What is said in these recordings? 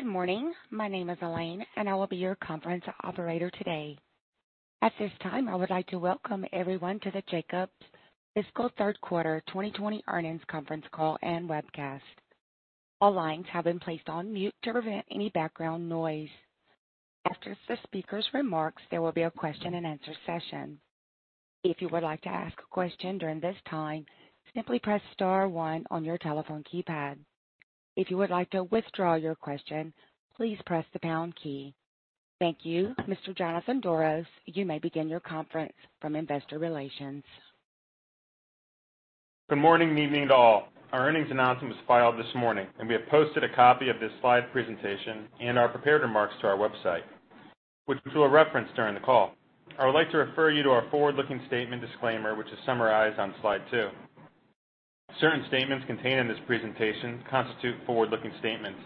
Good morning. My name is Elaine, and I will be your conference operator today. At this time, I would like to welcome everyone to the Jacobs Fiscal Third Quarter 2020 Earnings Conference Call and Webcast. All lines have been placed on mute to prevent any background noise. After the speaker's remarks, there will be a question-and-answer session. If you would like to ask a question during this time, simply press star one on your telephone keypad. If you would like to withdraw your question, please press the pound key. Thank you. Mr. Jonathan Doros, you may begin your conference from Investor Relations. Good morning and evening to all. Our earnings announcement was filed this morning, and we have posted a copy of this slide presentation and our prepared remarks to our website, which we'll reference during the call. I would like to refer you to our forward-looking statement disclaimer, which is summarized on slide two. Certain statements contained in this presentation constitute forward-looking statements.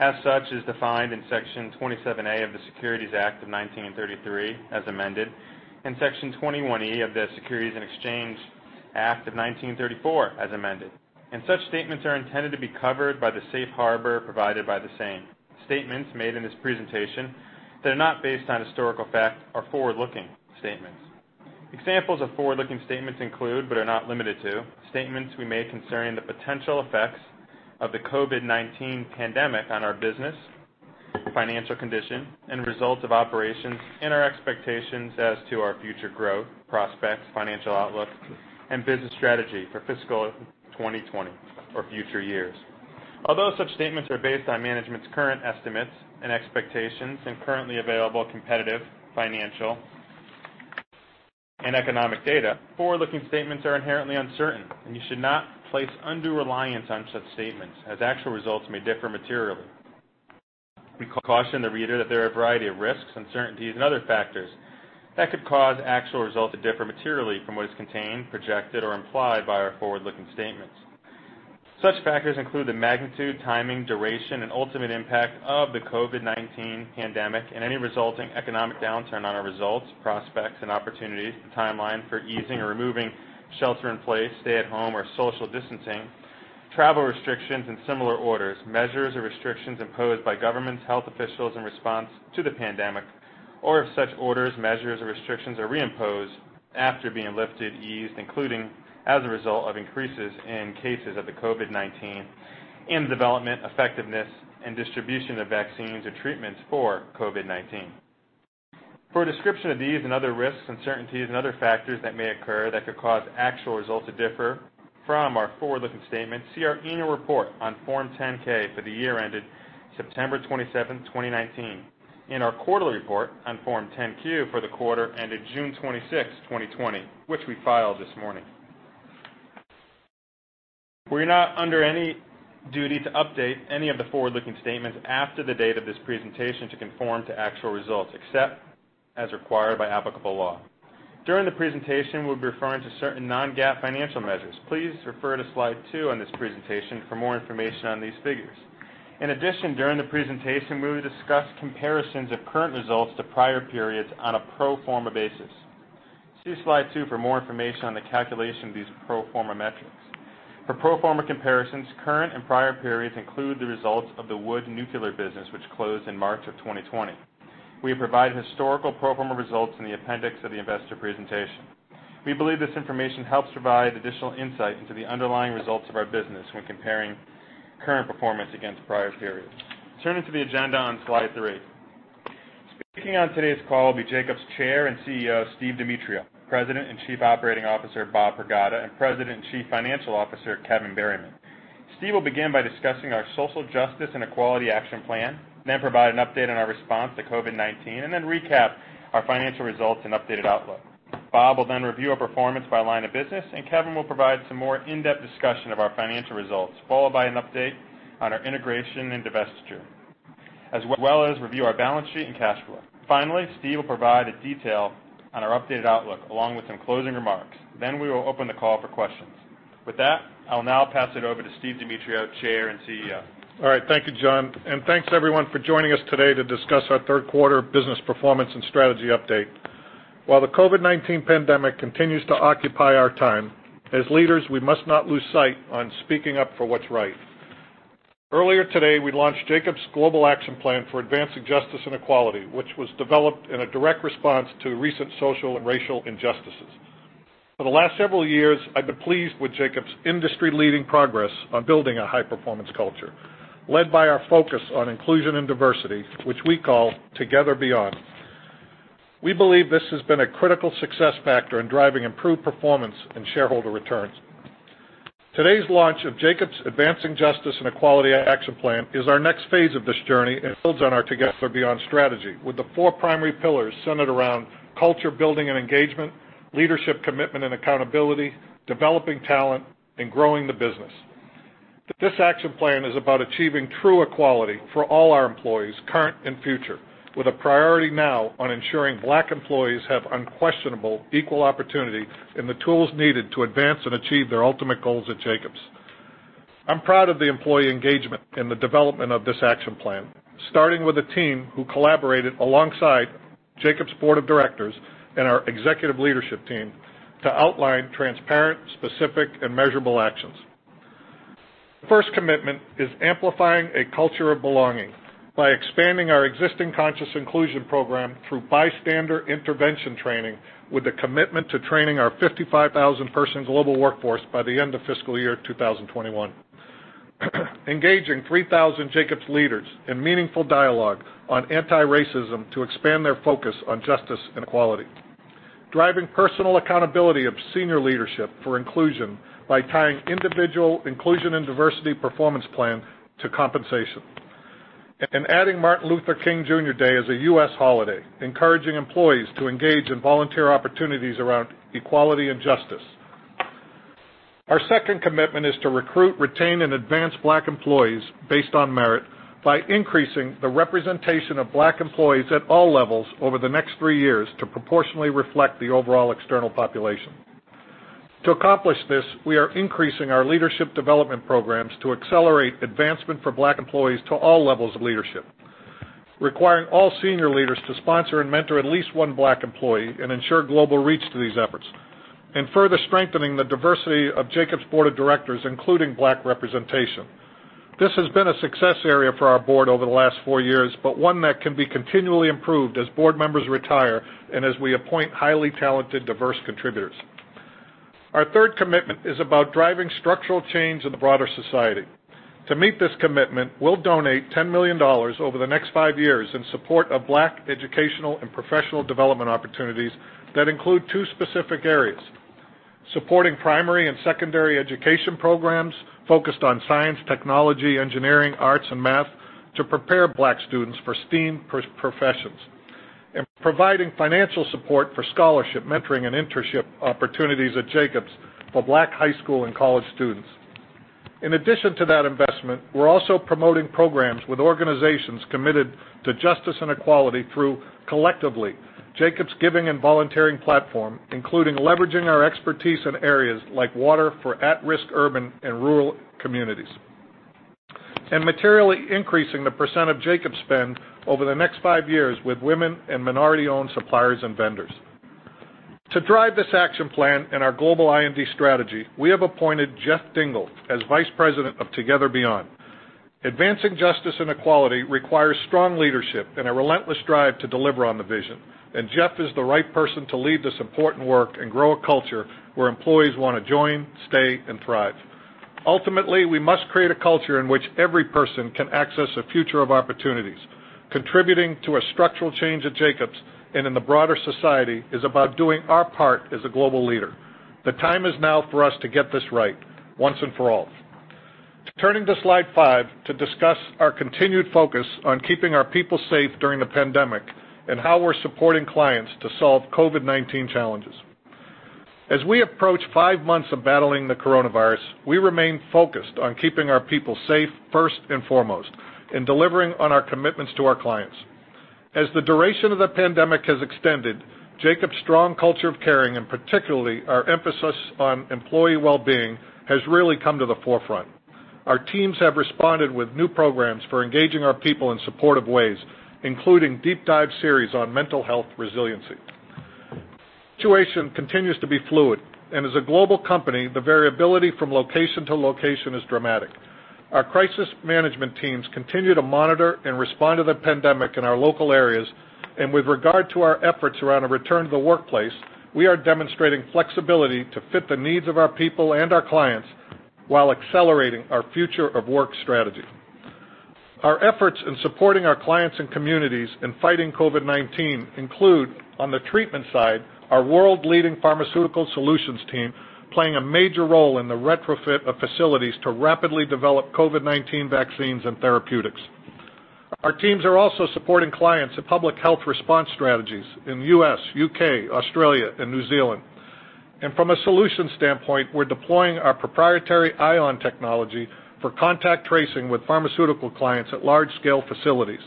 As such is defined in section 27A of the Securities Act of 1933, as amended, and section 21E of the Securities and Exchange Act of 1934, as amended, and such statements are intended to be covered by the safe harbor provided by the same. Statements made in this presentation that are not based on historical fact are forward-looking statements. Examples of forward-looking statements include, but are not limited to, statements we made concerning the potential effects of the COVID-19 pandemic on our business, financial condition, and results of operations and our expectations as to our future growth, prospects, financial outlook, and business strategy for fiscal 2020 or future years. Although such statements are based on management's current estimates and expectations and currently available competitive financial and economic data, forward-looking statements are inherently uncertain, and you should not place undue reliance on such statements, as actual results may differ materially. We caution the reader that there are a variety of risks, uncertainties, and other factors that could cause actual results to differ materially from what is contained, projected, or implied by our forward-looking statements. Such factors include the magnitude, timing, duration, and ultimate impact of the COVID-19 pandemic and any resulting economic downturn on our results, prospects, and opportunities, the timeline for easing or removing shelter-in-place, stay-at-home, or social distancing, travel restrictions, and similar orders, measures or restrictions imposed by governments, health officials in response to the pandemic, or if such orders, measures, or restrictions are reimposed after being lifted, eased, including as a result of increases in cases of the COVID-19 and the development, effectiveness, and distribution of vaccines or treatments for COVID-19. For a description of these and other risks, uncertainties, and other factors that may occur that could cause actual results to differ from our forward-looking statements, see our annual report on Form 10-K for the year ended September 27, 2019, and our quarterly report on Form 10-Q for the quarter ended June 26, 2020, which we filed this morning. We are not under any duty to update any of the forward-looking statements after the date of this presentation to conform to actual results, except as required by applicable law. During the presentation, we'll be referring to certain non-GAAP financial measures. Please refer to slide two on this presentation for more information on these figures. In addition, during the presentation, we will discuss comparisons of current results to prior periods on a pro forma basis. See slide two for more information on the calculation of these pro forma metrics. For pro forma comparisons, current and prior periods include the results of the Wood Nuclear business, which closed in March of 2020. We have provided historical pro forma results in the appendix of the investor presentation. We believe this information helps provide additional insight into the underlying results of our business when comparing current performance against prior periods. Turning to the agenda on slide three. Speaking on today's call will be Jacobs Chair and CEO Steve Demetriou, President and Chief Operating Officer Bob Pragada, and President and Chief Financial Officer Kevin Berryman. Steve will begin by discussing our Social Justice and Equality Action Plan, then provide an update on our response to COVID-19, and then recap our financial results and updated outlook. Bob will then review our performance by line of business, and Kevin will provide some more in-depth discussion of our financial results, followed by an update on our integration and divestiture, as well as review our balance sheet and cash flow. Finally, Steve will provide details on our updated outlook along with some closing remarks. Then we will open the call for questions. With that, I will now pass it over to Steve Demetriou, Chair and CEO. All right. Thank you, Jon and thanks, everyone, for joining us today to discuss our third quarter business performance and strategy update. While the COVID-19 pandemic continues to occupy our time, as leaders, we must not lose sight on speaking up for what's right. Earlier today, we launched Jacobs' Global Action Plan for Advancing Justice and Equality, which was developed in a direct response to recent social and racial injustices. For the last several years, I've been pleased with Jacobs' industry-leading progress on building a high-performance culture, led by our focus on inclusion and diversity, which we call Together Beyond. We believe this has been a critical success factor in driving improved performance and shareholder returns. Today's launch of Jacobs' Advancing Justice and Equality Action Plan is our next phase of this journey and builds on our Together Beyond strategy with the four primary pillars centered around culture-building and engagement, leadership commitment and accountability, developing talent, and growing the business. This action plan is about achieving true equality for all our employees, current and future, with a priority now on ensuring Black employees have unquestionable equal opportunity and the tools needed to advance and achieve their ultimate goals at Jacobs. I'm proud of the employee engagement in the development of this action plan, starting with a team who collaborated alongside Jacobs' board of directors and our executive leadership team to outline transparent, specific, and measurable actions. The first commitment is amplifying a culture of belonging by expanding our existing conscious inclusion program through bystander intervention training with a commitment to training our 55,000-person global workforce by the end of fiscal year 2021, engaging 3,000 Jacobs leaders in meaningful dialogue on anti-racism to expand their focus on justice and equality, driving personal accountability of senior leadership for inclusion by tying individual inclusion and diversity performance plan to compensation, and adding Martin Luther King Jr. Day as a U.S. holiday, encouraging employees to engage in volunteer opportunities around equality and justice. Our second commitment is to recruit, retain, and advance Black employees based on merit by increasing the representation of Black employees at all levels over the next three years to proportionally reflect the overall external population. To accomplish this, we are increasing our leadership development programs to accelerate advancement for Black employees to all levels of leadership, requiring all senior leaders to sponsor and mentor at least one Black employee and ensure global reach to these efforts, and further strengthening the diversity of Jacobs' board of directors, including Black representation. This has been a success area for our board over the last four years, but one that can be continually improved as board members retire and as we appoint highly talented, diverse contributors. Our third commitment is about driving structural change in the broader society. To meet this commitment, we'll donate $10 million over the next five years in support of Black educational and professional development opportunities that include two specific areas: supporting primary and secondary education programs focused on science, technology, engineering, arts, and math to prepare Black students for STEAM professions, and providing financial support for scholarship, mentoring, and internship opportunities at Jacobs for Black high school and college students. In addition to that investment, we're also promoting programs with organizations committed to justice and equality through Collectively Jacobs' giving and volunteering platform, including leveraging our expertise in areas like water for at-risk urban and rural communities, and materially increasing the % of Jacobs spend over the next five years with women and minority-owned suppliers and vendors. To drive this action plan and our global IND strategy, we have appointed Jeff Dingle as Vice President of Together Beyond. Advancing justice and equality requires strong leadership and a relentless drive to deliver on the vision, and Jeff is the right person to lead this important work and grow a culture where employees want to join, stay, and thrive. Ultimately, we must create a culture in which every person can access a future of opportunities. Contributing to a structural change at Jacobs and in the broader society is about doing our part as a global leader. The time is now for us to get this right once and for all. Turning to slide five to discuss our continued focus on keeping our people safe during the pandemic and how we're supporting clients to solve COVID-19 challenges. As we approach five months of battling the coronavirus, we remain focused on keeping our people safe first and foremost in delivering on our commitments to our clients. As the duration of the pandemic has extended, Jacobs' strong culture of caring, and particularly our emphasis on employee well-being, has really come to the forefront. Our teams have responded with new programs for engaging our people in supportive ways, including deep-dive series on mental health resiliency. The situation continues to be fluid, and as a global company, the variability from location to location is dramatic. Our crisis management teams continue to monitor and respond to the pandemic in our local areas, and with regard to our efforts around a return to the workplace, we are demonstrating flexibility to fit the needs of our people and our clients while accelerating our future of work strategy. Our efforts in supporting our clients and communities in fighting COVID-19 include, on the treatment side, our world-leading pharmaceutical solutions team playing a major role in the retrofit of facilities to rapidly develop COVID-19 vaccines and therapeutics. Our teams are also supporting clients in public health response strategies in the U.S., U.K., Australia, and New Zealand, and from a solution standpoint, we're deploying our proprietary ION technology for contact tracing with pharmaceutical clients at large-scale facilities.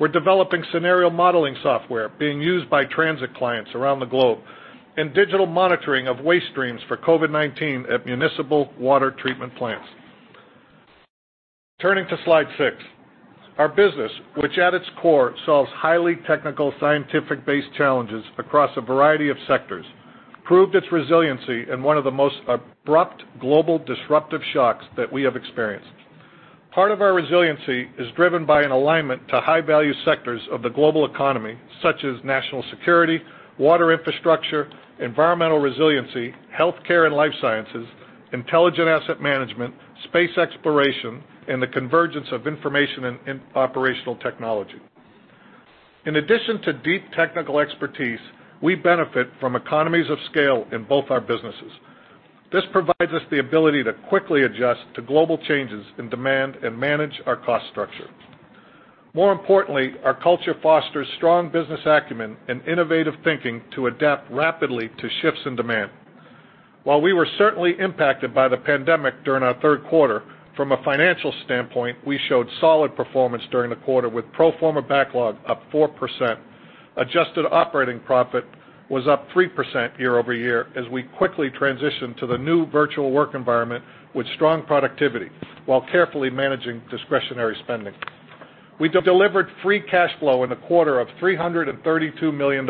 We're developing scenario modeling software being used by transit clients around the globe and digital monitoring of waste streams for COVID-19 at municipal water treatment plants. Turning to slide six, our business, which at its core solves highly technical, scientific-based challenges across a variety of sectors, proved its resiliency in one of the most abrupt, global, disruptive shocks that we have experienced. Part of our resiliency is driven by an alignment to high-value sectors of the global economy, such as national security, water infrastructure, environmental resiliency, healthcare and life sciences, intelligent asset management, space exploration, and the convergence of information and operational technology. In addition to deep technical expertise, we benefit from economies of scale in both our businesses. This provides us the ability to quickly adjust to global changes in demand and manage our cost structure. More importantly, our culture fosters strong business acumen and innovative thinking to adapt rapidly to shifts in demand. While we were certainly impacted by the pandemic during our third quarter, from a financial standpoint, we showed solid performance during the quarter with pro forma backlog up 4%. Adjusted operating profit was up 3% year over year as we quickly transitioned to the new virtual work environment with strong productivity while carefully managing discretionary spending. We delivered free cash flow in the quarter of $332 million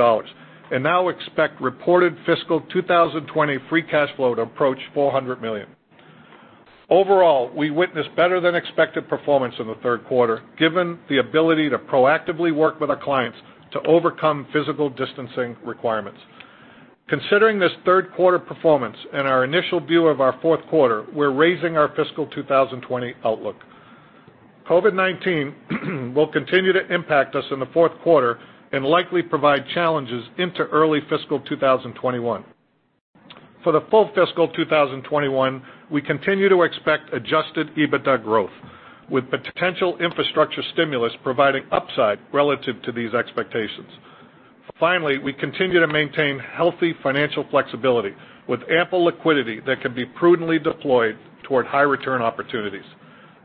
and now expect reported fiscal 2020 free cash flow to approach $400 million. Overall, we witnessed better-than-expected performance in the third quarter given the ability to proactively work with our clients to overcome physical distancing requirements. Considering this third-quarter performance and our initial view of our fourth quarter, we're raising our fiscal 2020 outlook. COVID-19 will continue to impact us in the fourth quarter and likely provide challenges into early fiscal 2021. For the full fiscal 2021, we continue to expect Adjusted EBITDA growth with potential infrastructure stimulus providing upside relative to these expectations. Finally, we continue to maintain healthy financial flexibility with ample liquidity that can be prudently deployed toward high-return opportunities.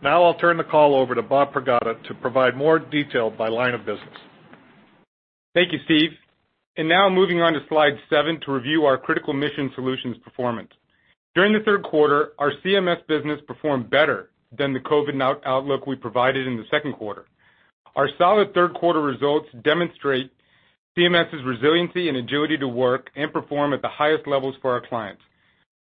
Now I'll turn the call over to Bob Pragada to provide more detail by line of business. Thank you, Steve. And now moving on to slide seven to review our Critical Mission Solutions performance. During the third quarter, our CMS business performed better than the COVID outlook we provided in the second quarter. Our solid third-quarter results demonstrate CMS's resiliency and agility to work and perform at the highest levels for our clients.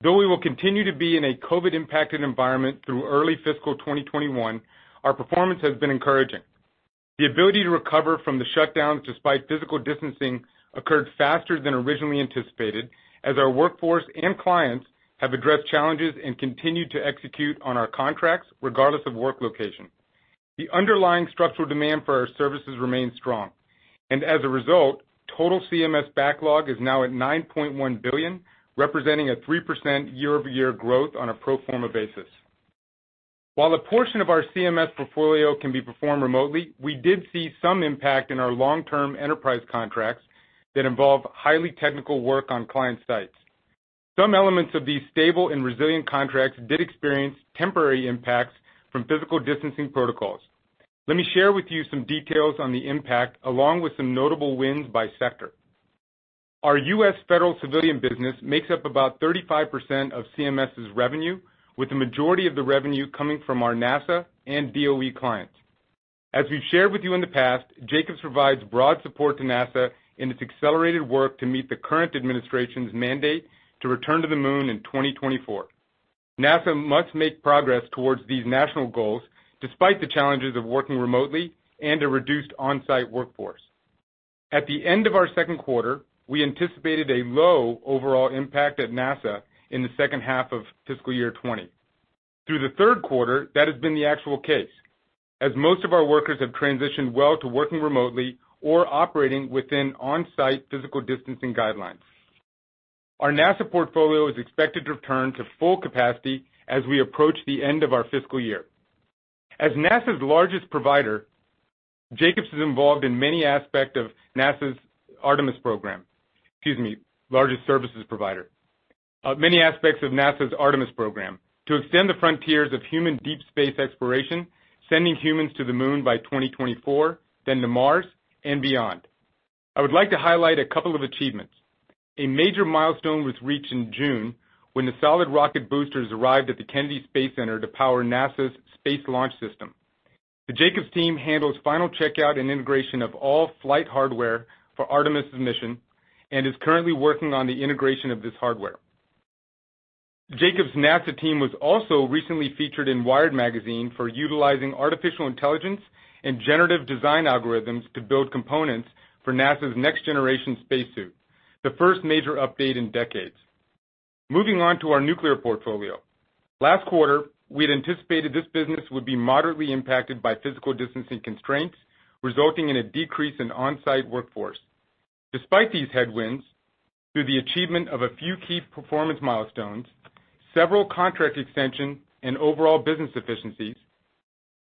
Though we will continue to be in a COVID-impacted environment through early fiscal 2021, our performance has been encouraging. The ability to recover from the shutdowns despite physical distancing occurred faster than originally anticipated as our workforce and clients have addressed challenges and continued to execute on our contracts regardless of work location. The underlying structural demand for our services remains strong. And as a result, total CMS backlog is now at $9.1 billion, representing a 3% year-over-year growth on a pro forma basis. While a portion of our CMS portfolio can be performed remotely, we did see some impact in our long-term enterprise contracts that involve highly technical work on client sites. Some elements of these stable and resilient contracts did experience temporary impacts from physical distancing protocols. Let me share with you some details on the impact along with some notable wins by sector. Our U.S. federal civilian business makes up about 35% of CMS's revenue, with the majority of the revenue coming from our NASA and DOE clients. As we've shared with you in the past, Jacobs provides broad support to NASA in its accelerated work to meet the current administration's mandate to return to the Moon in 2024. NASA must make progress towards these national goals despite the challenges of working remotely and a reduced on-site workforce. At the end of our second quarter, we anticipated a low overall impact at NASA in the second half of fiscal year 2020. Through the third quarter, that has been the actual case as most of our workers have transitioned well to working remotely or operating within on-site physical distancing guidelines. Our NASA portfolio is expected to return to full capacity as we approach the end of our fiscal year. As NASA's largest provider, Jacobs is involved in many aspects of NASA's Artemis program, excuse me, largest services provider, many aspects of NASA's Artemis program to extend the frontiers of human deep space exploration, sending humans to the Moon by 2024, then to Mars, and beyond. I would like to highlight a couple of achievements. A major milestone was reached in June when the solid rocket boosters arrived at the Kennedy Space Center to power NASA's Space Launch System. The Jacobs team handles final checkout and integration of all flight hardware for Artemis's mission and is currently working on the integration of this hardware. Jacobs' NASA team was also recently featured in Wired magazine for utilizing artificial intelligence and generative design algorithms to build components for NASA's next-generation spacesuit, the first major update in decades. Moving on to our nuclear portfolio. Last quarter, we had anticipated this business would be moderately impacted by physical distancing constraints, resulting in a decrease in on-site workforce. Despite these headwinds, through the achievement of a few key performance milestones, several contract extensions, and overall business efficiencies,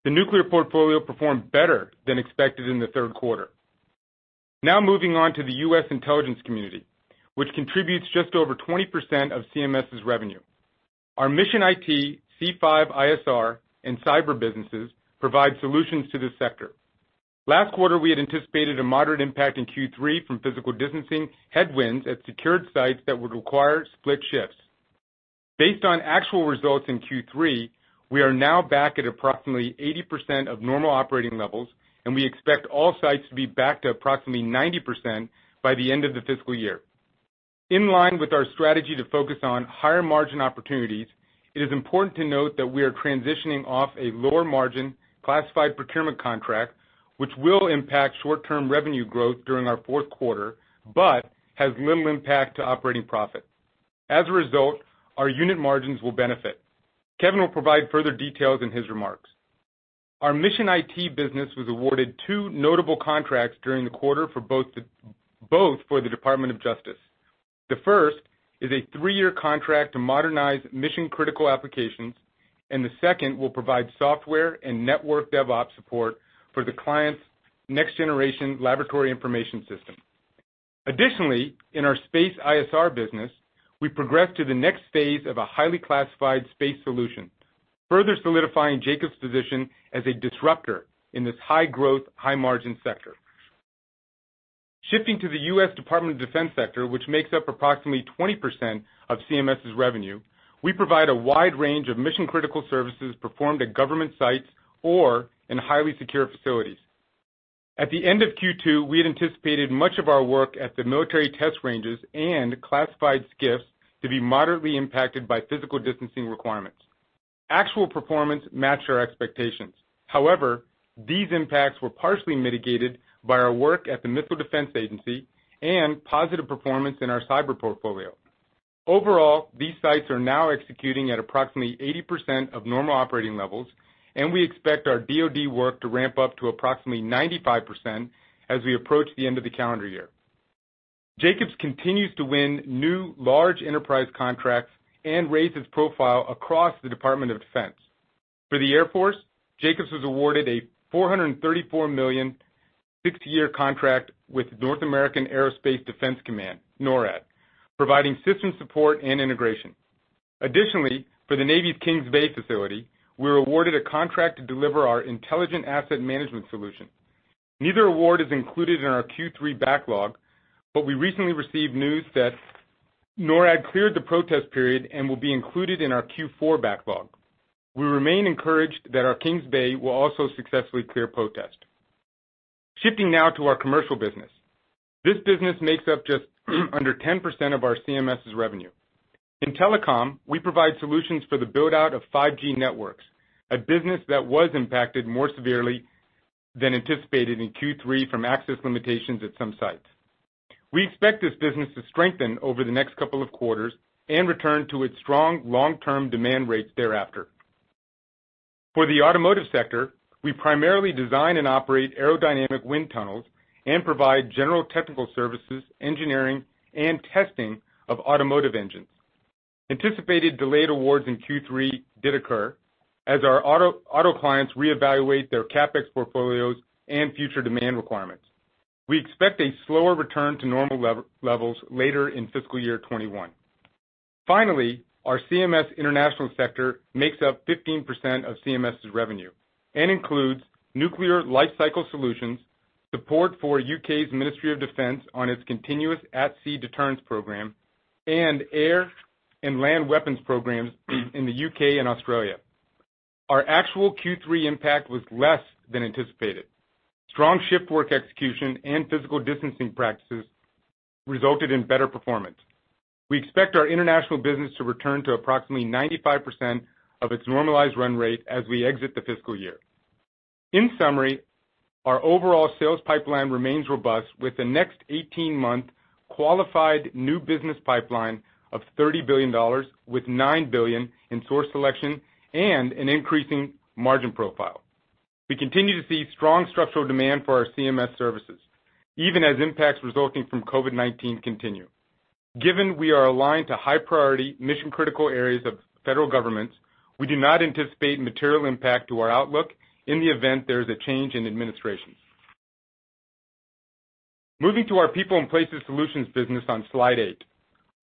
the nuclear portfolio performed better than expected in the third quarter. Now moving on to the U.S. intelligence community, which contributes just over 20% of CMS's revenue. Our mission IT, C5ISR, and cyber businesses provide solutions to this sector. Last quarter, we had anticipated a moderate impact in Q3 from physical distancing headwinds at secured sites that would require split shifts. Based on actual results in Q3, we are now back at approximately 80% of normal operating levels, and we expect all sites to be back to approximately 90% by the end of the fiscal year. In line with our strategy to focus on higher margin opportunities, it is important to note that we are transitioning off a lower margin classified procurement contract, which will impact short-term revenue growth during our fourth quarter but has little impact to operating profit. As a result, our unit margins will benefit. Kevin will provide further details in his remarks. Our mission IT business was awarded two notable contracts during the quarter for both the Department of Justice. The first is a three-year contract to modernize mission-critical applications, and the second will provide software and network DevOps support for the client's next-generation laboratory information system. Additionally, in our space ISR business, we progressed to the next phase of a highly classified space solution, further solidifying Jacobs' position as a disruptor in this high-growth, high-margin sector. Shifting to the U.S. Department of Defense sector, which makes up approximately 20% of CMS's revenue, we provide a wide range of mission-critical services performed at government sites or in highly secure facilities. At the end of Q2, we had anticipated much of our work at the military test ranges and classified SCIFs to be moderately impacted by physical distancing requirements. Actual performance matched our expectations. However, these impacts were partially mitigated by our work at the Missile Defense Agency and positive performance in our cyber portfolio. Overall, these sites are now executing at approximately 80% of normal operating levels, and we expect our DOD work to ramp up to approximately 95% as we approach the end of the calendar year. Jacobs continues to win new large enterprise contracts and raise its profile across the Department of Defense. For the Air Force, Jacobs was awarded a $434 million six-year contract with North American Aerospace Defense Command, NORAD, providing system support and integration. Additionally, for the Navy's Kings Bay facility, we were awarded a contract to deliver our intelligent asset management solution. Neither award is included in our Q3 backlog, but we recently received news that NORAD cleared the protest period and will be included in our Q4 backlog. We remain encouraged that our Kings Bay will also successfully clear protest. Shifting now to our commercial business. This business makes up just under 10% of our CMS's revenue. In telecom, we provide solutions for the build-out of 5G networks, a business that was impacted more severely than anticipated in Q3 from access limitations at some sites. We expect this business to strengthen over the next couple of quarters and return to its strong long-term demand rates thereafter. For the automotive sector, we primarily design and operate aerodynamic wind tunnels and provide general technical services, engineering, and testing of automotive engines. Anticipated delayed awards in Q3 did occur as our auto clients reevaluate their CapEx portfolios and future demand requirements. We expect a slower return to normal levels later in fiscal year 2021. Finally, our CMS international sector makes up 15% of CMS's revenue and includes nuclear life cycle solutions, support for U.K.'s Ministry of Defense on its continuous at-sea deterrence program, and air and land weapons programs in the U.K. and Australia. Our actual Q3 impact was less than anticipated. Strong shift work execution and physical distancing practices resulted in better performance. We expect our international business to return to approximately 95% of its normalized run rate as we exit the fiscal year. In summary, our overall sales pipeline remains robust with a next 18-month qualified new business pipeline of $30 billion, with $9 billion in source selection and an increasing margin profile. We continue to see strong structural demand for our CMS services, even as impacts resulting from COVID-19 continue. Given we are aligned to high-priority mission-critical areas of federal governments, we do not anticipate material impact to our outlook in the event there is a change in administration. Moving to our People and Places Solutions business on slide eight.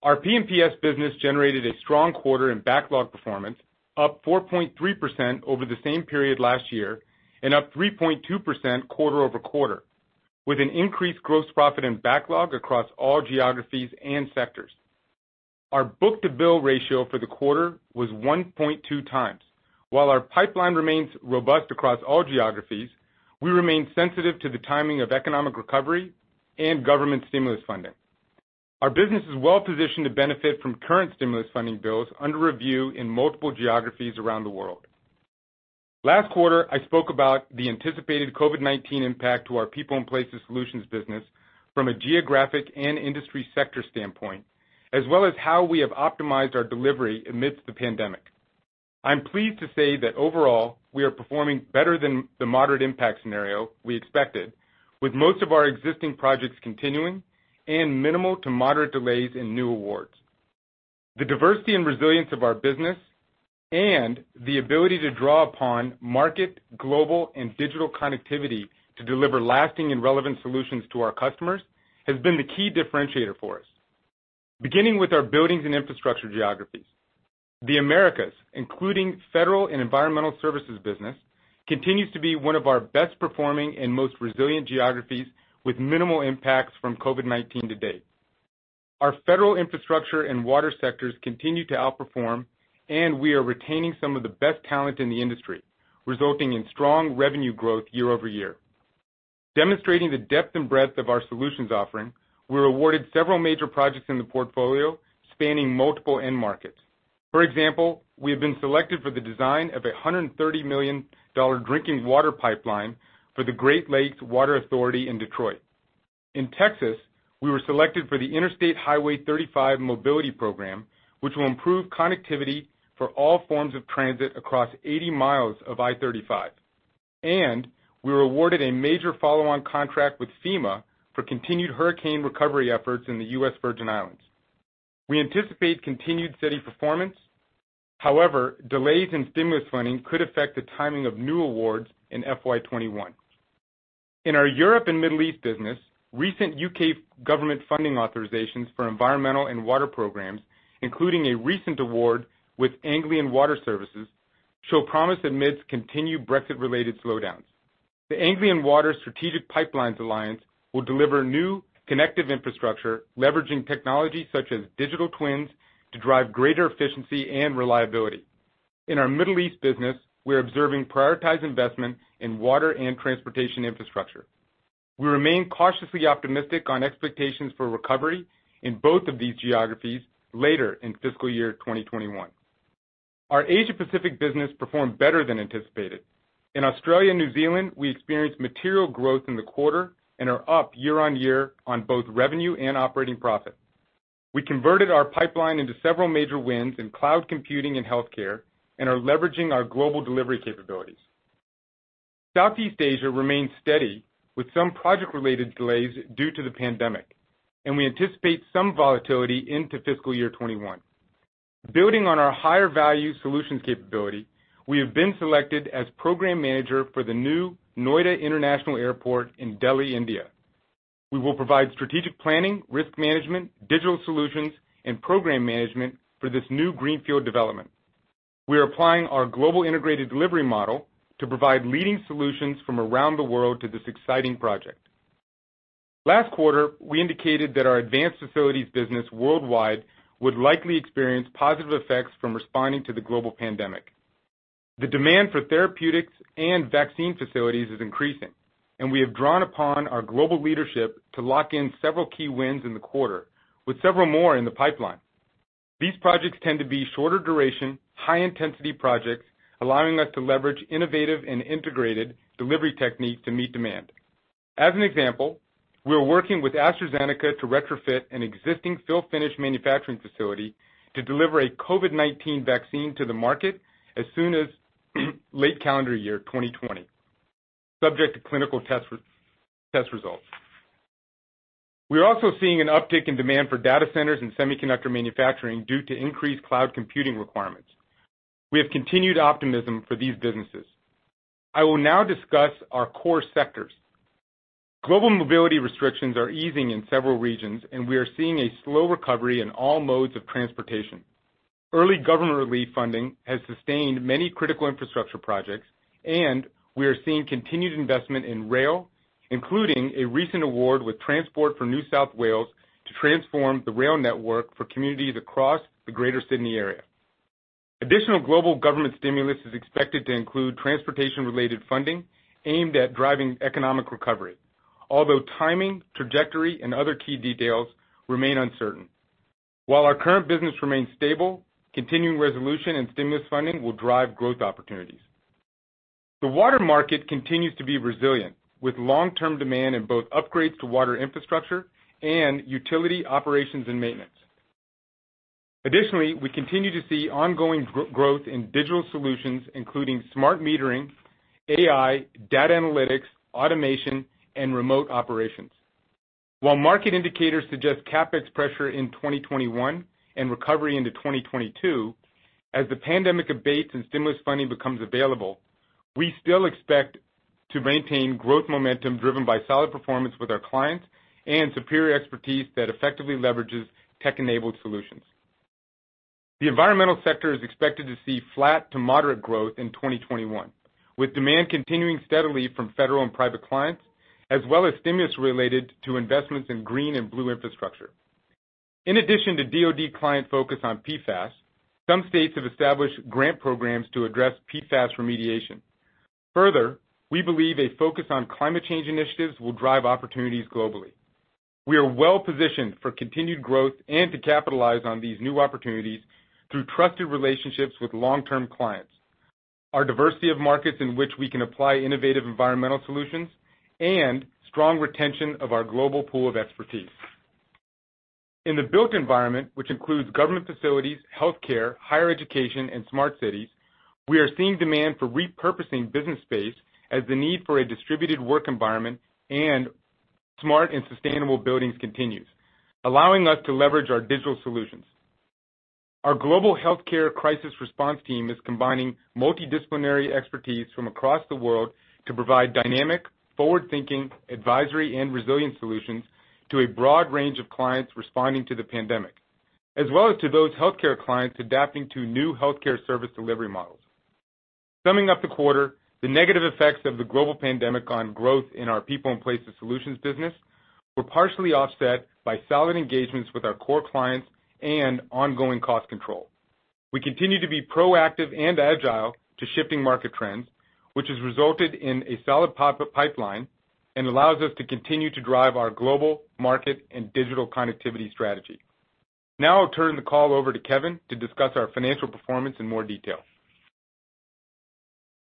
Our P&PS business generated a strong quarter in backlog performance, up 4.3% over the same period last year and up 3.2% quarter over quarter, with an increased gross profit and backlog across all geographies and sectors. Our book-to-bill ratio for the quarter was 1.2 times. While our pipeline remains robust across all geographies, we remain sensitive to the timing of economic recovery and government stimulus funding. Our business is well-positioned to benefit from current stimulus funding bills under review in multiple geographies around the world. Last quarter, I spoke about the anticipated COVID-19 impact to our people and places solutions business from a geographic and industry sector standpoint, as well as how we have optimized our delivery amidst the pandemic. I'm pleased to say that overall, we are performing better than the moderate impact scenario we expected, with most of our existing projects continuing and minimal to moderate delays in new awards. The diversity and resilience of our business and the ability to draw upon market, global, and digital connectivity to deliver lasting and relevant solutions to our customers has been the key differentiator for us. Beginning with our buildings and infrastructure geographies, the Americas, including federal and environmental services business, continues to be one of our best-performing and most resilient geographies with minimal impacts from COVID-19 to date. Our federal infrastructure and water sectors continue to outperform, and we are retaining some of the best talent in the industry, resulting in strong revenue growth year over year. Demonstrating the depth and breadth of our solutions offering, we were awarded several major projects in the portfolio spanning multiple end markets. For example, we have been selected for the design of a $130 million drinking water pipeline for the Great Lakes Water Authority in Detroit. In Texas, we were selected for the Interstate Highway 35 Mobility Program, which will improve connectivity for all forms of transit across 80 miles of I-35. And we were awarded a major follow-on contract with FEMA for continued hurricane recovery efforts in the U.S. Virgin Islands. We anticipate continued steady performance. However, delays in stimulus funding could affect the timing of new awards in FY 2021. In our Europe and Middle East business, recent U.K. government funding authorizations for environmental and water programs, including a recent award with Anglian Water Services, show promise amidst continued Brexit-related slowdowns. The Anglian Water Strategic Pipelines Alliance will deliver new connective infrastructure, leveraging technology such as digital twins to drive greater efficiency and reliability. In our Middle East business, we're observing prioritized investment in water and transportation infrastructure. We remain cautiously optimistic on expectations for recovery in both of these geographies later in fiscal year 2021. Our Asia-Pacific business performed better than anticipated. In Australia and New Zealand, we experienced material growth in the quarter and are up year on year on both revenue and operating profit. We converted our pipeline into several major wins in cloud computing and healthcare and are leveraging our global delivery capabilities. Southeast Asia remains steady with some project-related delays due to the pandemic, and we anticipate some volatility into fiscal year 2021. Building on our higher-value solutions capability, we have been selected as program manager for the new Noida International Airport in Delhi, India. We will provide strategic planning, risk management, digital solutions, and program management for this new greenfield development. We are applying our global integrated delivery model to provide leading solutions from around the world to this exciting project. Last quarter, we indicated that our advanced facilities business worldwide would likely experience positive effects from responding to the global pandemic. The demand for therapeutics and vaccine facilities is increasing, and we have drawn upon our global leadership to lock in several key wins in the quarter, with several more in the pipeline. These projects tend to be shorter duration, high-intensity projects, allowing us to leverage innovative and integrated delivery techniques to meet demand. As an example, we're working with AstraZeneca to retrofit an existing fill-finish manufacturing facility to deliver a COVID-19 vaccine to the market as soon as late calendar year 2020, subject to clinical test results. We are also seeing an uptick in demand for data centers and semiconductor manufacturing due to increased cloud computing requirements. We have continued optimism for these businesses. I will now discuss our core sectors. Global mobility restrictions are easing in several regions, and we are seeing a slow recovery in all modes of transportation. Early government relief funding has sustained many critical infrastructure projects, and we are seeing continued investment in rail, including a recent award with Transport for New South Wales to transform the rail network for communities across the greater Sydney area. Additional global government stimulus is expected to include transportation-related funding aimed at driving economic recovery, although timing, trajectory, and other key details remain uncertain. While our current business remains stable, continuing resolution and stimulus funding will drive growth opportunities. The water market continues to be resilient, with long-term demand in both upgrades to water infrastructure and utility operations and maintenance. Additionally, we continue to see ongoing growth in digital solutions, including smart metering, AI, data analytics, automation, and remote operations. While market indicators suggest CapEx pressure in 2021 and recovery into 2022, as the pandemic abates and stimulus funding becomes available, we still expect to maintain growth momentum driven by solid performance with our clients and superior expertise that effectively leverages tech-enabled solutions. The environmental sector is expected to see flat to moderate growth in 2021, with demand continuing steadily from federal and private clients, as well as stimulus related to investments in green and blue infrastructure. In addition to DOD client focus on PFAS, some states have established grant programs to address PFAS remediation. Further, we believe a focus on climate change initiatives will drive opportunities globally. We are well-positioned for continued growth and to capitalize on these new opportunities through trusted relationships with long-term clients, our diversity of markets in which we can apply innovative environmental solutions, and strong retention of our global pool of expertise. In the built environment, which includes government facilities, healthcare, higher education, and smart cities, we are seeing demand for repurposing business space as the need for a distributed work environment and smart and sustainable buildings continues, allowing us to leverage our digital solutions. Our global healthcare crisis response team is combining multidisciplinary expertise from across the world to provide dynamic, forward-thinking, advisory, and resilient solutions to a broad range of clients responding to the pandemic, as well as to those healthcare clients adapting to new healthcare service delivery models. Summing up the quarter, the negative effects of the global pandemic on growth in our People and Places Solutions business were partially offset by solid engagements with our core clients and ongoing cost control. We continue to be proactive and agile to shifting market trends, which has resulted in a solid pipeline and allows us to continue to drive our global market and digital connectivity strategy. Now I'll turn the call over to Kevin to discuss our financial performance in more detail.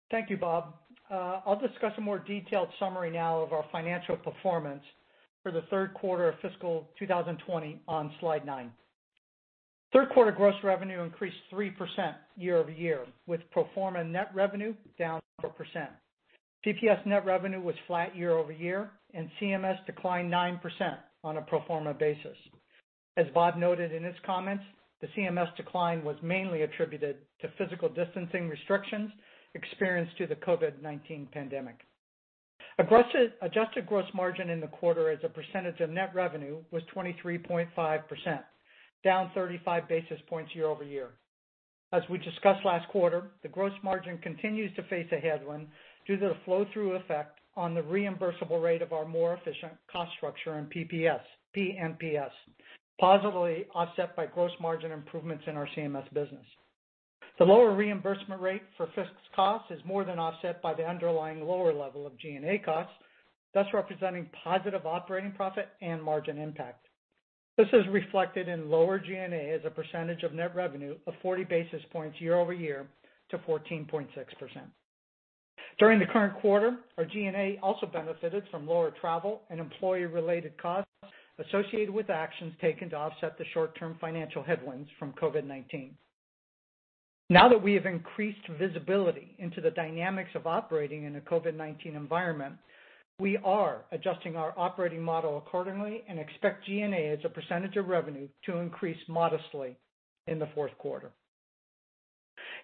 Thank you, Bob. I'll discuss a more detailed summary now of our financial performance for the third quarter of fiscal 2020 on slide nine. Third quarter gross revenue increased 3% year over year, with pro forma net revenue down 4%. P&PS net revenue was flat year over year, and CMS declined 9% on a pro forma basis. As Bob noted in his comments, the CMS decline was mainly attributed to physical distancing restrictions experienced due to the COVID-19 pandemic. Adjusted gross margin in the quarter as a percentage of net revenue was 23.5%, down 35 basis points year over year. As we discussed last quarter, the gross margin continues to face a headwind due to the flow-through effect on the reimbursable rate of our more efficient cost structure in P&PS, positively offset by gross margin improvements in our CMS business. The lower reimbursement rate for fixed costs is more than offset by the underlying lower level of G&A costs, thus representing positive operating profit and margin impact. This is reflected in lower G&A as a percentage of net revenue of 40 basis points year over year to 14.6%. During the current quarter, our G&A also benefited from lower travel and employee-related costs associated with actions taken to offset the short-term financial headwinds from COVID-19. Now that we have increased visibility into the dynamics of operating in a COVID-19 environment, we are adjusting our operating model accordingly and expect G&A as a percentage of revenue to increase modestly in the fourth quarter.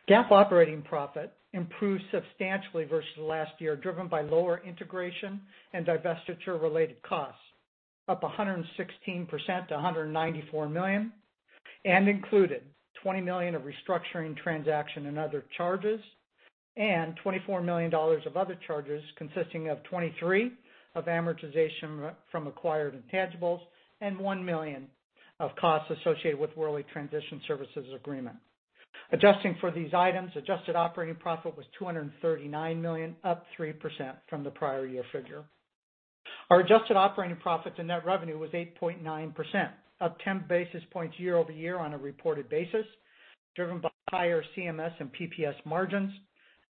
GAAP operating profit improved substantially versus last year, driven by lower integration and divestiture-related costs, up 116% to $194 million, and included $20 million of restructuring transaction and other charges, and $24 million of other charges consisting of $23 million of amortization from acquired intangibles and $1 million of costs associated with Worley Transition Services Agreement. Adjusting for these items, adjusted operating profit was $239 million, up 3% from the prior year figure. Our adjusted operating profit to net revenue was 8.9%, up 10 basis points year over year on a reported basis, driven by higher CMS and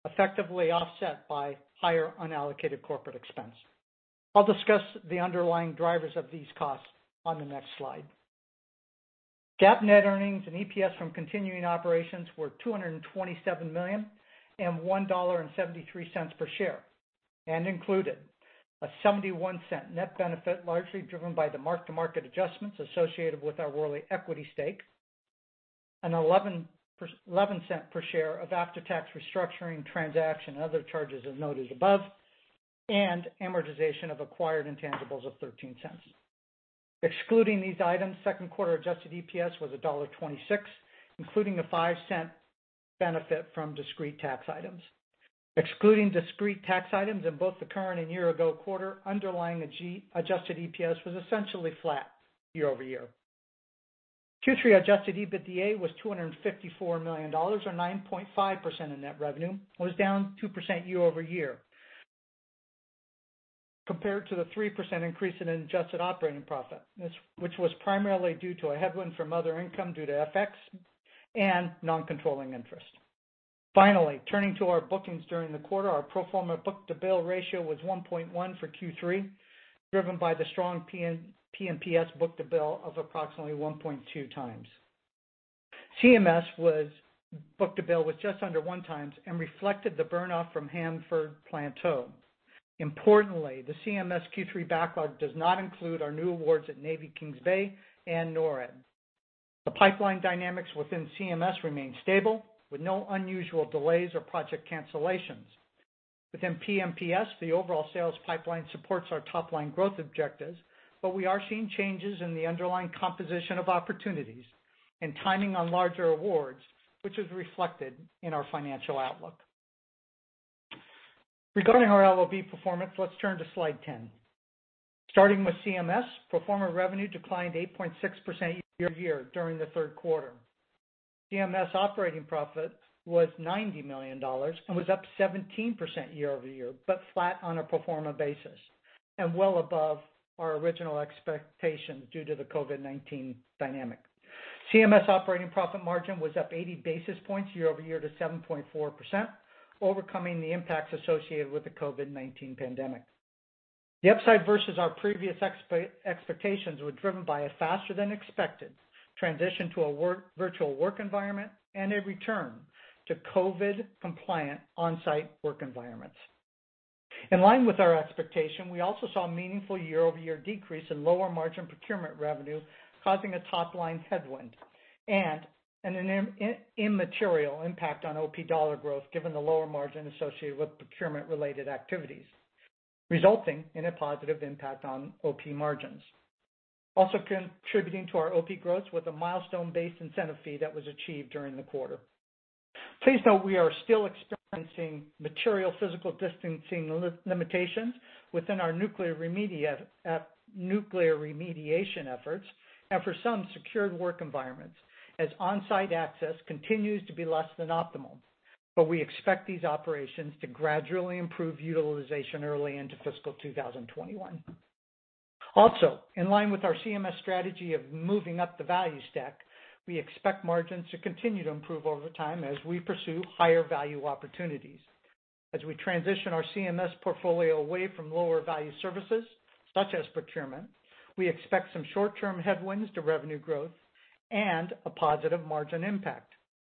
PPS margins, effectively offset by higher unallocated corporate expense. I'll discuss the underlying drivers of these costs on the next slide. GAAP net earnings and EPS from continuing operations were $227 million and $1.73 per share, and included a $0.71 net benefit largely driven by the mark-to-market adjustments associated with our Worley equity stake, an $0.11 per share of after-tax restructuring transaction and other charges as noted above, and amortization of acquired intangibles of $0.13. Excluding these items, second quarter adjusted EPS was $1.26, including a $0.05 benefit from discrete tax items. Excluding discrete tax items in both the current and year-ago quarter, underlying adjusted EPS was essentially flat year over year. Q3 Adjusted EBITDA was $254 million, or 9.5% of net revenue, and was down 2% year over year compared to the 3% increase in adjusted operating profit, which was primarily due to a headwind from other income due to FX and non-controlling interest. Finally, turning to our bookings during the quarter, our pro forma book-to-bill ratio was 1.1 for Q3, driven by the strong P&PS book-to-bill of approximately 1.2 times. CMS book-to-bill was just under one times and reflected the burn-off from Hanford Plateau. Importantly, the CMS Q3 backlog does not include our new awards at Navy Kings Bay and NORAD. The pipeline dynamics within CMS remain stable, with no unusual delays or project cancellations. Within P&PS, the overall sales pipeline supports our top-line growth objectives, but we are seeing changes in the underlying composition of opportunities and timing on larger awards, which is reflected in our financial outlook. Regarding our LLV performance, let's turn to slide 10. Starting with CMS, proforma revenue declined 8.6% year-over-year during the third quarter. CMS operating profit was $90 million and was up 17% year-over-year, but flat on a proforma basis and well above our original expectations due to the COVID-19 dynamic. CMS operating profit margin was up 80 basis points year-over-year to 7.4%, overcoming the impacts associated with the COVID-19 pandemic. The upside versus our previous expectations were driven by a faster-than-expected transition to a virtual work environment and a return to COVID-compliant onsite work environments. In line with our expectation, we also saw a meaningful year-over-year decrease in lower margin procurement revenue, causing a top-line headwind and an immaterial impact on OP dollar growth, given the lower margin associated with procurement-related activities, resulting in a positive impact on OP margins, also contributing to our OP growth with a milestone-based incentive fee that was achieved during the quarter. Please note we are still experiencing material physical distancing limitations within our nuclear remediation efforts and for some secured work environments, as onsite access continues to be less than optimal, but we expect these operations to gradually improve utilization early into fiscal 2021. Also, in line with our CMS strategy of moving up the value stack, we expect margins to continue to improve over time as we pursue higher value opportunities. As we transition our CMS portfolio away from lower-value services, such as procurement, we expect some short-term headwinds to revenue growth and a positive margin impact.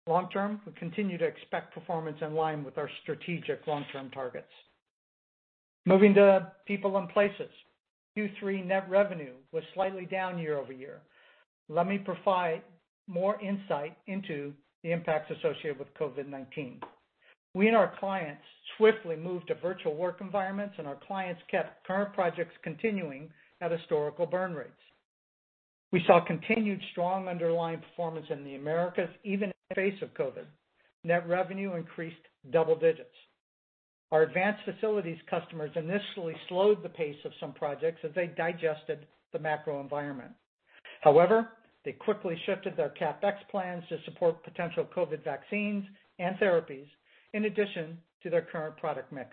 Long-term, we continue to expect performance in line with our strategic long-term targets. Moving to people and places, Q3 net revenue was slightly down year-over-year. Let me provide more insight into the impacts associated with COVID-19. We and our clients swiftly moved to virtual work environments, and our clients kept current projects continuing at historical burn rates. We saw continued strong underlying performance in the Americas even in the face of COVID. Net revenue increased double digits. Our advanced facilities customers initially slowed the pace of some projects as they digested the macro environment. However, they quickly shifted their CapEx plans to support potential COVID vaccines and therapies in addition to their current product mix.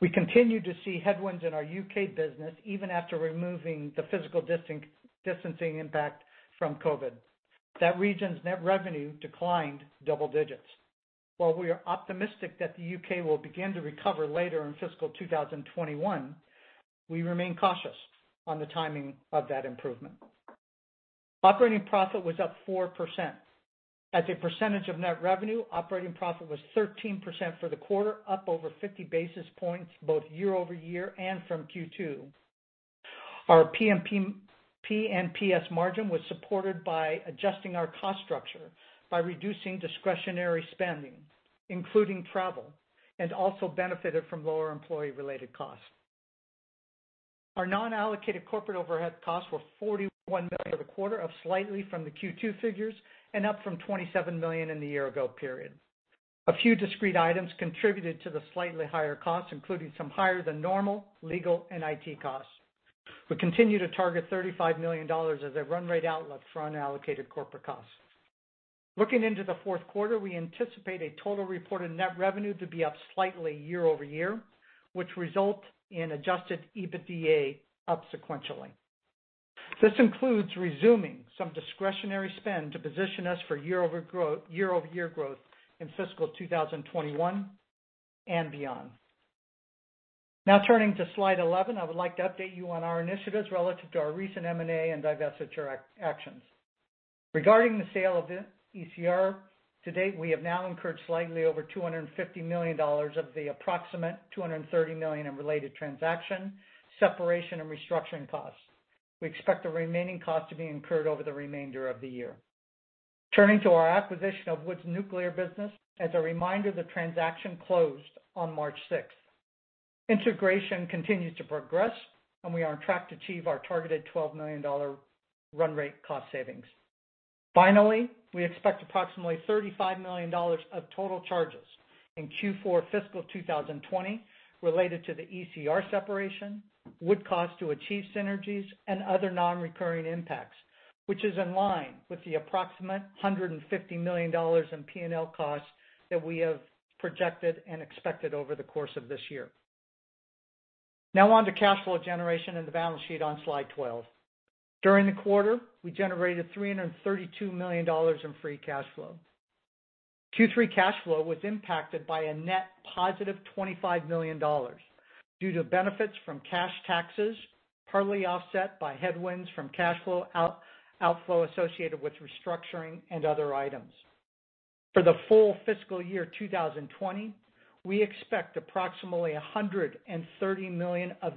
We continue to see headwinds in our U.K. business even after removing the physical distancing impact from COVID. That region's net revenue declined double digits. While we are optimistic that the U.K. will begin to recover later in fiscal 2021, we remain cautious on the timing of that improvement. Operating profit was up 4%. At a percentage of net revenue, operating profit was 13% for the quarter, up over 50 basis points both year-over-year and from Q2. Our P&PS margin was supported by adjusting our cost structure by reducing discretionary spending, including travel, and also benefited from lower employee-related costs. Our non-allocated corporate overhead costs were $41 million for the quarter, up slightly from the Q2 figures and up from $27 million in the year-ago period. A few discrete items contributed to the slightly higher costs, including some higher-than-normal legal and IT costs. We continue to target $35 million as a run-rate outlook for unallocated corporate costs. Looking into the fourth quarter, we anticipate a total reported net revenue to be up slightly year-over-year, which results in adjusted EBITDA up sequentially. This includes resuming some discretionary spend to position us for year-over-year growth in fiscal 2021 and beyond. Now turning to slide 11, I would like to update you on our initiatives relative to our recent M&A and divestiture actions. Regarding the sale of ECR, to date, we have now incurred slightly over $250 million of the approximate $230 million in related transaction separation and restructuring costs. We expect the remaining cost to be incurred over the remainder of the year. Turning to our acquisition of Wood Group Nuclear Business, as a reminder, the transaction closed on March 6th. Integration continues to progress, and we are on track to achieve our targeted $12 million run-rate cost savings. Finally, we expect approximately $35 million of total charges in Q4 fiscal 2020 related to the ECR separation, Wood cost to achieve synergies, and other non-recurring impacts, which is in line with the approximate $150 million in P&L costs that we have projected and expected over the course of this year. Now on to cash flow generation in the balance sheet on slide 12. During the quarter, we generated $332 million in free cash flow. Q3 cash flow was impacted by a net positive $25 million due to benefits from cash taxes partly offset by headwinds from cash flow outflow associated with restructuring and other items. For the full fiscal year 2020, we expect approximately $130 million of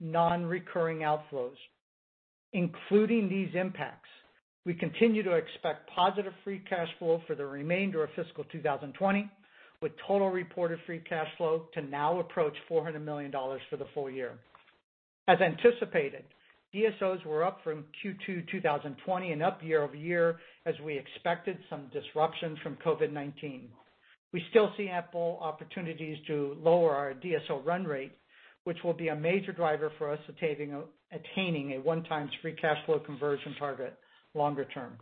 non-recurring outflows. Including these impacts, we continue to expect positive free cash flow for the remainder of fiscal 2020, with total reported free cash flow to now approach $400 million for the full year. As anticipated, DSOs were up from Q2 2020 and up year-over-year as we expected some disruption from COVID-19. We still see ample opportunities to lower our DSO run rate, which will be a major driver for us attaining a one-time free cash flow conversion target longer term.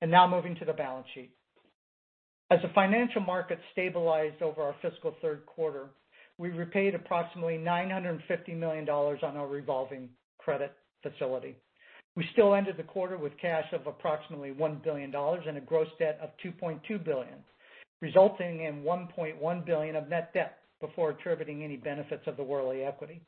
And now moving to the balance sheet. As the financial markets stabilized over our fiscal third quarter, we repaid approximately $950 million on our revolving credit facility. We still ended the quarter with cash of approximately $1 billion and a gross debt of $2.2 billion, resulting in $1.1 billion of net debt before attributing any benefits of the Worley equity.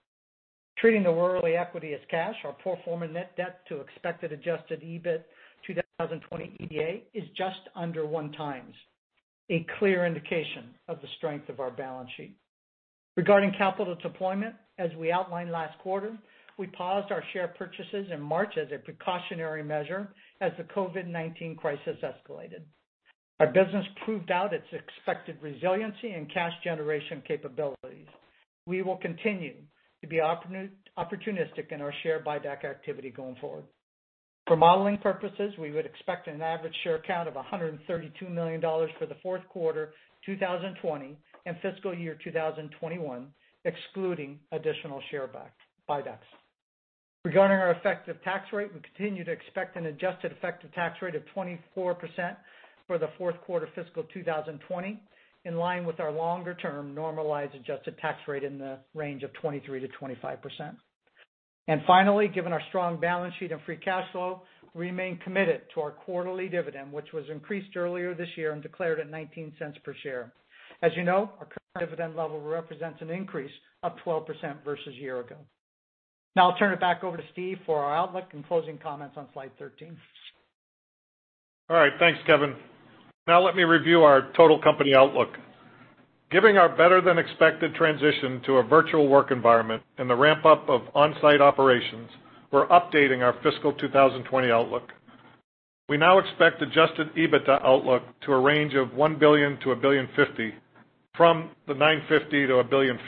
Treating the Worley equity as cash, our pro forma net debt to expected adjusted EBITDA 2020 is just under one times, a clear indication of the strength of our balance sheet. Regarding capital deployment, as we outlined last quarter, we paused our share purchases in March as a precautionary measure as the COVID-19 crisis escalated. Our business proved out its expected resiliency and cash generation capabilities. We will continue to be opportunistic in our share buyback activity going forward. For modeling purposes, we would expect an average share count of 132 million for the fourth quarter 2020 and fiscal year 2021, excluding additional share buybacks. Regarding our effective tax rate, we continue to expect an adjusted effective tax rate of 24% for the fourth quarter fiscal 2020, in line with our longer-term normalized adjusted tax rate in the range of 23%-25%. Finally, given our strong balance sheet and free cash flow, we remain committed to our quarterly dividend, which was increased earlier this year and declared at $0.19 per share. As you know, our current dividend level represents an increase of 12% versus a year ago. Now I'll turn it back over to Steve for our outlook and closing comments on slide 13. All right. Thanks, Kevin. Now let me review our total company outlook. Given our better-than-expected transition to a virtual work environment and the ramp-up of onsite operations, we're updating our fiscal 2020 outlook. We now expect Adjusted EBITDA outlook to a range of $1 billion-$1.5 billion from the $950 million to $1.5 billion.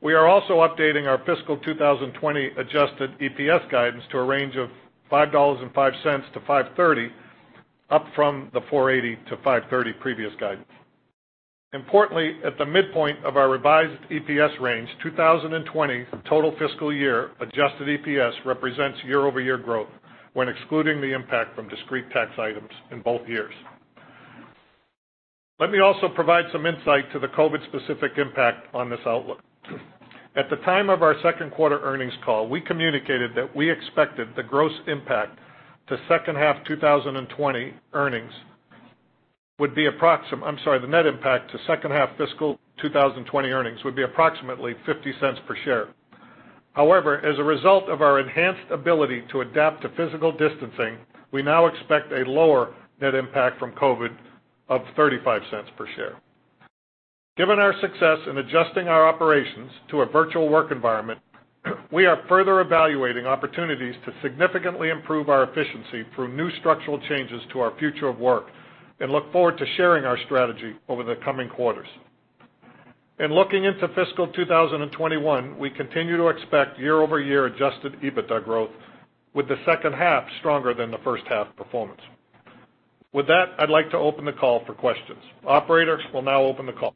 We are also updating our fiscal 2020 Adjusted EPS guidance to a range of $5.05-$5.30, up from the $4.80-$5.30 previous guidance. Importantly, at the midpoint of our revised EPS range, 2020 total fiscal year adjusted EPS represents year-over-year growth when excluding the impact from discrete tax items in both years. Let me also provide some insight to the COVID-specific impact on this outlook. At the time of our second quarter earnings call, we communicated that we expected the gross impact to second half 2020 earnings would be approximately, I'm sorry, the net impact to second half fiscal 2020 earnings would be approximately $0.50 per share. However, as a result of our enhanced ability to adapt to physical distancing, we now expect a lower net impact from COVID of $0.35 per share. Given our success in adjusting our operations to a virtual work environment, we are further evaluating opportunities to significantly improve our efficiency through new structural changes to our future of work and look forward to sharing our strategy over the coming quarters. In looking into fiscal 2021, we continue to expect year-over-year Adjusted EBITDA growth, with the second half stronger than the first half performance. With that, I'd like to open the call for questions. Operators will now open the call.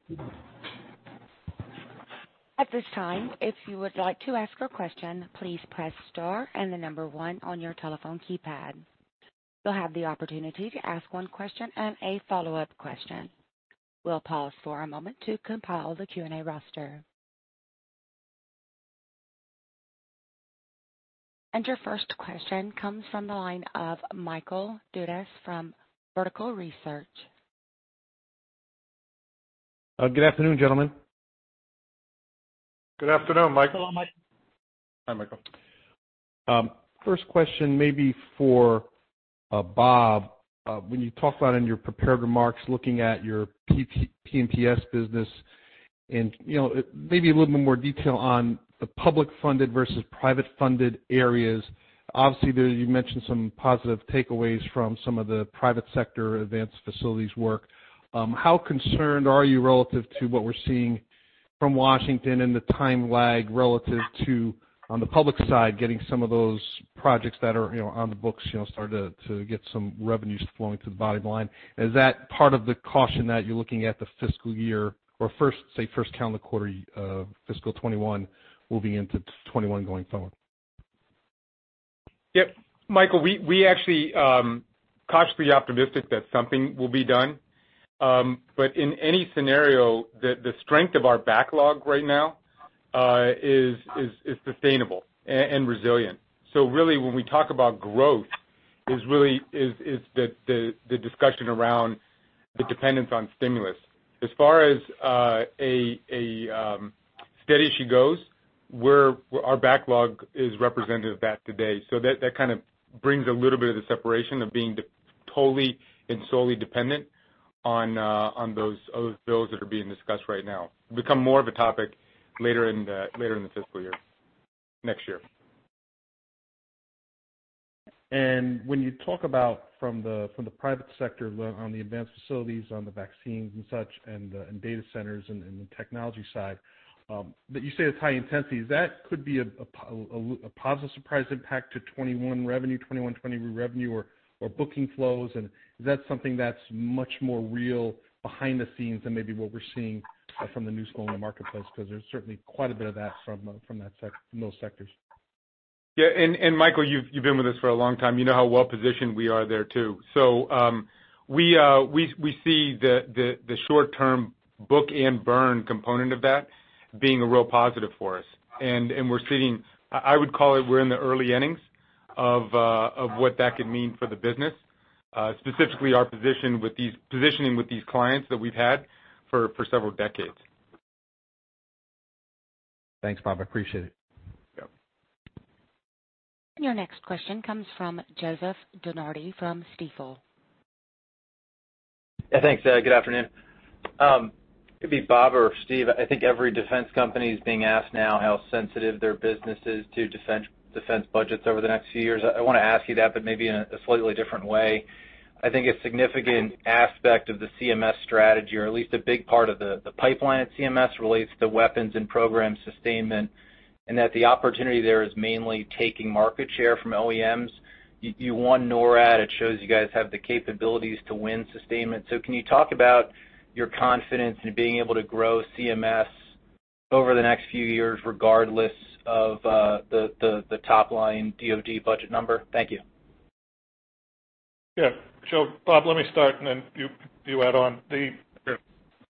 At this time, if you would like to ask a question, please press star and the number one on your telephone keypad. You'll have the opportunity to ask one question and a follow-up question. We'll pause for a moment to compile the Q&A roster. And your first question comes from the line of Michael Dudas from Vertical Research. Good afternoon, gentlemen. Good afternoon, Michael. Hi, Michael. First question maybe for Bob. When you talked about in your prepared remarks looking at your P&PS business and maybe a little bit more detail on the public-funded versus private-funded areas, obviously you mentioned some positive takeaways from some of the private sector advanced facilities work. How concerned are you relative to what we're seeing from Washington and the time lag relative to on the public side getting some of those projects that are on the books started to get some revenues flowing to the bottom line? Is that part of the caution that you're looking at the fiscal year or say first calendar quarter fiscal 2021 moving into 2021 going forward? Yep. Michael, we actually are cautiously optimistic that something will be done. But in any scenario, the strength of our backlog right now is sustainable and resilient. So really when we talk about growth is really the discussion around the dependence on stimulus. As far as steady as she goes, our backlog is representative of that today. So that kind of brings a little bit of the separation of being totally and solely dependent on those bills that are being discussed right now. It will become more of a topic later in the fiscal year next year. And when you talk about from the private sector on the advanced facilities, on the vaccines and such, and data centers and the technology side, you say it's high intensity. That could be a positive surprise impact to 2021 revenue, 2021-2022 revenue, or booking flows. And is that something that's much more real behind the scenes than maybe what we're seeing from the news flow in the marketplace? Because there's certainly quite a bit of that from those sectors. Yeah. And Michael, you've been with us for a long time. You know how well positioned we are there too. So we see the short-term book and burn component of that being a real positive for us. And I would call it we're in the early innings of what that could mean for the business, specifically our positioning with these clients that we've had for several decades. Thanks, Bob. I appreciate it. Yep. And your next question comes from Joseph DeNardi from Stifel. Yeah. Thanks. Good afternoon. It'd be Bob or Steve. I think every defense company is being asked now how sensitive their business is to defense budgets over the next few years. I want to ask you that, but maybe in a slightly different way. I think a significant aspect of the CMS strategy, or at least a big part of the pipeline at CMS, relates to weapons and program sustainment and that the opportunity there is mainly taking market share from OEMs. You won NORAD. It shows you guys have the capabilities to win sustainment. So can you talk about your confidence in being able to grow CMS over the next few years regardless of the top line DOD budget number? Thank you. Yeah. So Bob, let me start and then you add on.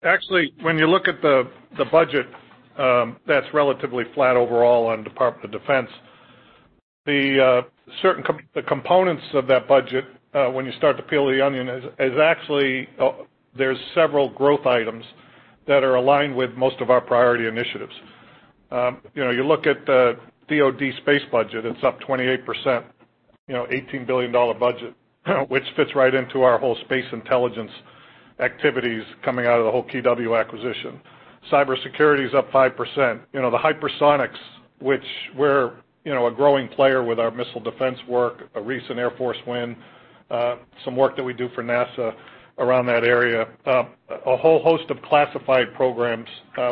Actually, when you look at the budget that's relatively flat overall on the Department of Defense, the components of that budget, when you start to peel the onion, is actually there's several growth items that are aligned with most of our priority initiatives. You look at the DOD space budget, it's up 28%, $18 billion budget, which fits right into our whole space intelligence activities coming out of the whole KW acquisition. Cybersecurity is up 5%. The hypersonics, which we're a growing player with our missile defense work, a recent Air Force win, some work that we do for NASA around that area, a whole host of classified programs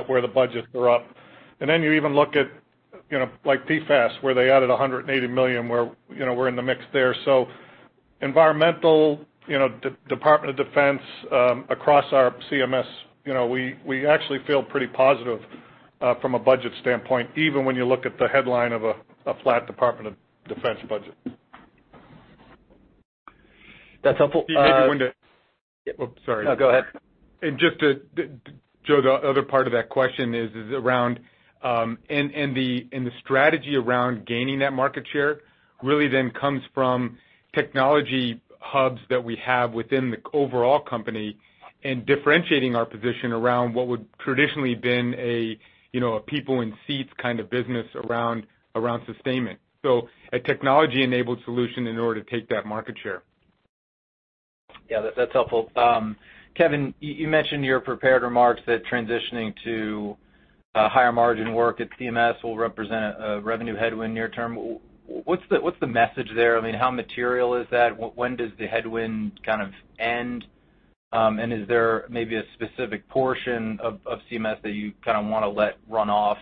where the budgets are up. And then you even look at like PFAS, where they added $180 million, where we're in the mix there. So environmental, Department of Defense across our CMS, we actually feel pretty positive from a budget standpoint, even when you look at the headline of a flat Department of Defense budget. That's helpful. Oh, sorry. No, go ahead. And just to follow the other part of that question is around, and the strategy around gaining that market share really then comes from technology hubs that we have within the overall company and differentiating our position around what would traditionally have been a people in seats kind of business around sustainment. So a technology-enabled solution in order to take that market share. Yeah. That's helpful. Kevin, you mentioned in your prepared remarks that transitioning to higher margin work at CMS will represent a revenue headwind near term. What's the message there? I mean, how material is that? When does the headwind kind of end? And is there maybe a specific portion of CMS that you kind of want to let run off?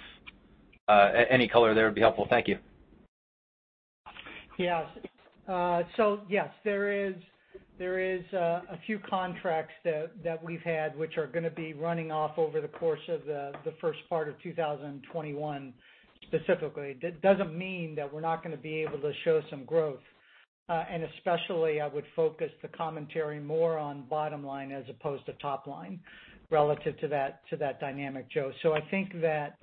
Any color there would be helpful. Thank you. Yes. Yes, there is a few contracts that we've had which are going to be running off over the course of the first part of 2021 specifically. It doesn't mean that we're not going to be able to show some growth. And especially, I would focus the commentary more on bottom line as opposed to top line relative to that dynamic, Joe. I think that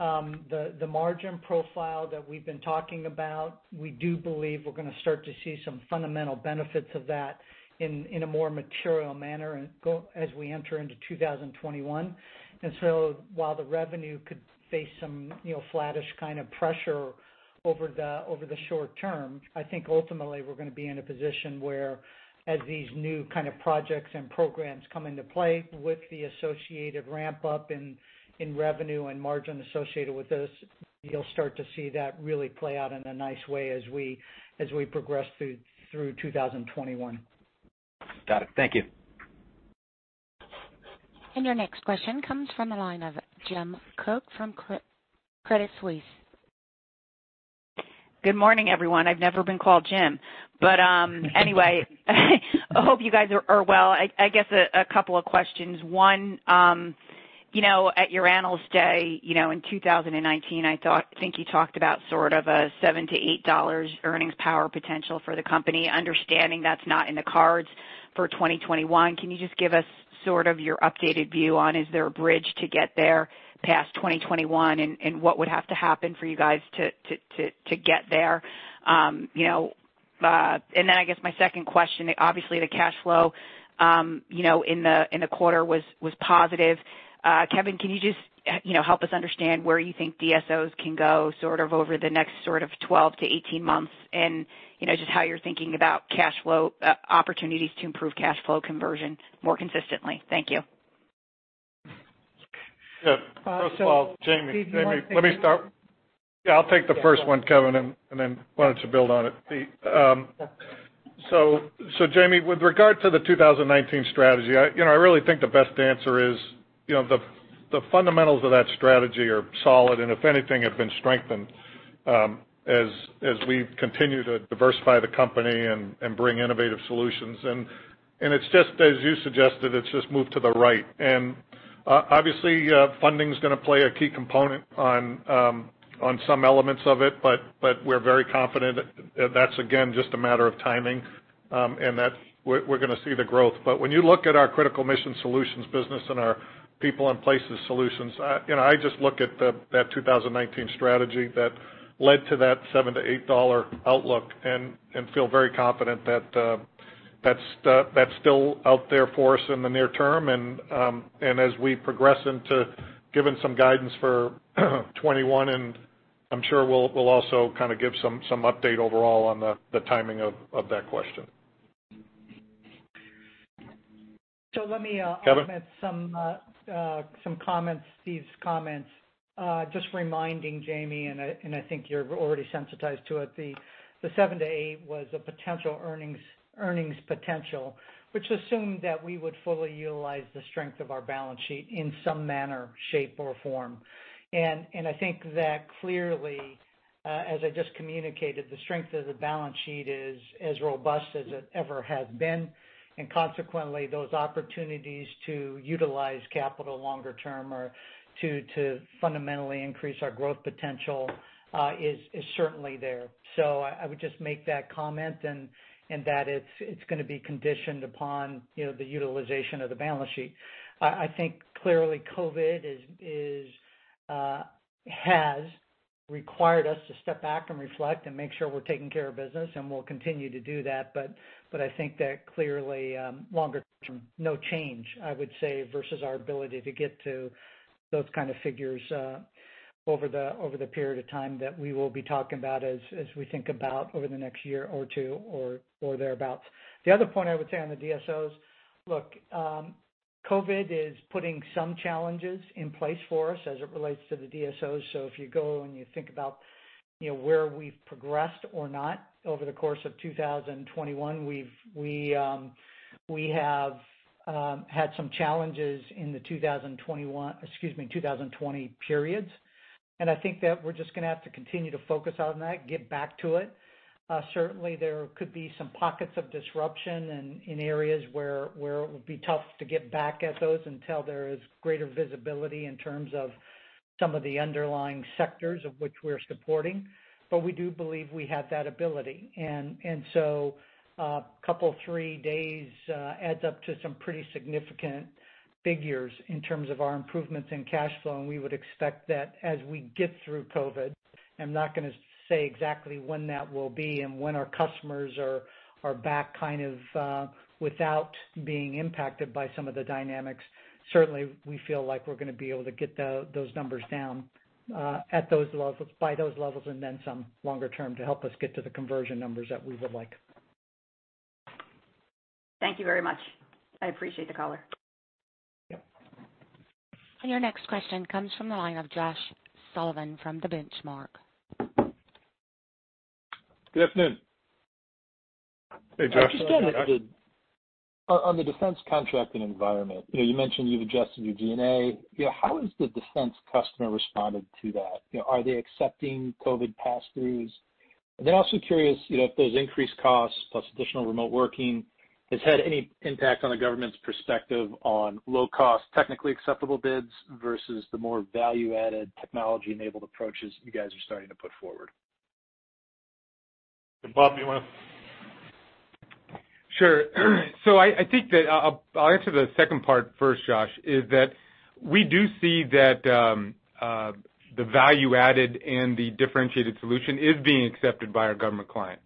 the margin profile that we've been talking about, we do believe we're going to start to see some fundamental benefits of that in a more material manner as we enter into 2021. And so while the revenue could face some flattish kind of pressure over the short term, I think ultimately we're going to be in a position where as these new kind of projects and programs come into play with the associated ramp-up in revenue and margin associated with this, you'll start to see that really play out in a nice way as we progress through 2021. Got it. Thank you. And your next question comes from the line of Jamie Cook from Credit Suisse. Good morning, everyone. I've never been called Jim. But anyway, I hope you guys are well. I guess a couple of questions. One, at your analyst day in 2019, I think you talked about sort of a $7-$8 earnings power potential for the company, understanding that's not in the cards for 2021. Can you just give us sort of your updated view on is there a bridge to get there past 2021 and what would have to happen for you guys to get there? And then I guess my second question, obviously the cash flow in the quarter was positive. Kevin, can you just help us understand where you think DSOs can go sort of over the next sort of 12-18 months and just how you're thinking about opportunities to improve cash flow conversion more consistently? Thank you. Yeah. First of all, Jamie, let me start. Yeah. I'll take the first one, Kevin, and then wanted to build on it. So Jamie, with regard to the 2019 strategy, I really think the best answer is the fundamentals of that strategy are solid and if anything, have been strengthened as we continue to diversify the company and bring innovative solutions. And it's just, as you suggested, it's just moved to the right. And obviously, funding is going to play a key component on some elements of it, but we're very confident that that's, again, just a matter of timing and that we're going to see the growth. But when you look at our Critical Mission Solutions business and our People and Places Solutions, I just look at that 2019 strategy that led to that $7-$8 outlook and feel very confident that that's still out there for us in the near term. And as we progress into giving some guidance for 2021, and I'm sure we'll also kind of give some update overall on the timing of that question. So let me comment some comments, Steve's comments. Just reminding, Jamie, and I think you're already sensitized to it, the 7-8 was a potential earnings potential, which assumed that we would fully utilize the strength of our balance sheet in some manner, shape, or form, and I think that clearly, as I just communicated, the strength of the balance sheet is as robust as it ever has been. And consequently, those opportunities to utilize capital longer term or to fundamentally increase our growth potential is certainly there, so I would just make that comment and that it's going to be conditioned upon the utilization of the balance sheet. I think clearly COVID has required us to step back and reflect and make sure we're taking care of business, and we'll continue to do that. But I think that clearly longer term, no change, I would say, versus our ability to get to those kind of figures over the period of time that we will be talking about as we think about over the next year or two or thereabouts. The other point I would say on the DSOs, look, COVID is putting some challenges in place for us as it relates to the DSOs. So if you go and you think about where we've progressed or not over the course of 2021, we have had some challenges in the 2021, excuse me, 2020 periods. And I think that we're just going to have to continue to focus on that, get back to it. Certainly, there could be some pockets of disruption in areas where it will be tough to get back at those until there is greater visibility in terms of some of the underlying sectors of which we're supporting. But we do believe we have that ability. And so a couple of three days adds up to some pretty significant figures in terms of our improvements in cash flow. And we would expect that as we get through COVID. I'm not going to say exactly when that will be and when our customers are back kind of without being impacted by some of the dynamics. Certainly, we feel like we're going to be able to get those numbers down at those levels, by those levels, and then some longer term to help us get to the conversion numbers that we would like. Thank you very much. I appreciate the color. And your next question comes from the line of Josh Sullivan from Benchmark. Good afternoon. Hey, Josh. On the defense contracting environment, you mentioned you've adjusted your DNA. How has the defense customer responded to that? Are they accepting COVID pass-throughs? And then also curious if those increased costs plus additional remote working has had any impact on the government's perspective on low-cost, technically acceptable bids versus the more value-added technology-enabled approaches you guys are starting to put forward? Bob, do you want to? Sure. So I think that I'll answer the second part first, Josh, is that we do see that the value-added and the differentiated solution is being accepted by our government client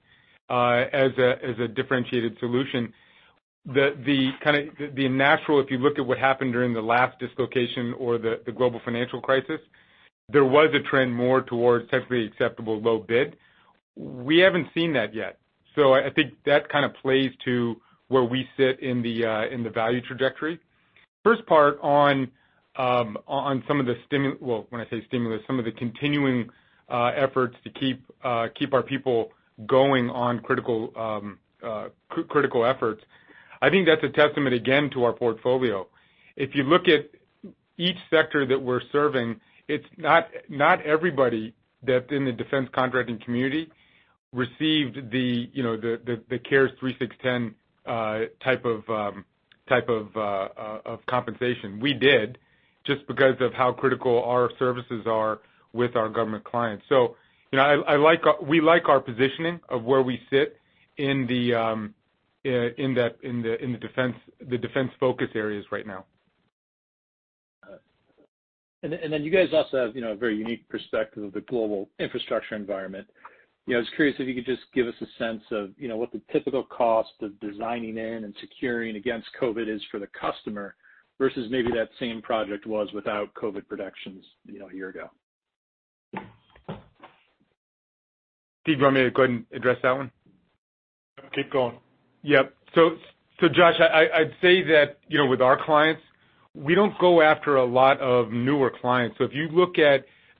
as a differentiated solution. The natural, if you look at what happened during the last dislocation or the global financial crisis, there was a trend more towards technically acceptable low bid. We haven't seen that yet, so I think that kind of plays to where we sit in the value trajectory. First part on some of the stimulus, well, when I say stimulus, some of the continuing efforts to keep our people going on critical efforts, I think that's a testament again to our portfolio. If you look at each sector that we're serving, it's not everybody that's in the defense contracting community received the CARES 3610 type of compensation. We did just because of how critical our services are with our government clients. So we like our positioning of where we sit in the defense focus areas right now, and then you guys also have a very unique perspective of the global infrastructure environment. I was curious if you could just give us a sense of what the typical cost of designing in and securing against COVID is for the customer versus maybe that same project was without COVID protections a year ago. Steve Romeo, go ahead and address that one. Keep going. Yep. So Josh, I'd say that with our clients, we don't go after a lot of newer clients. So if you look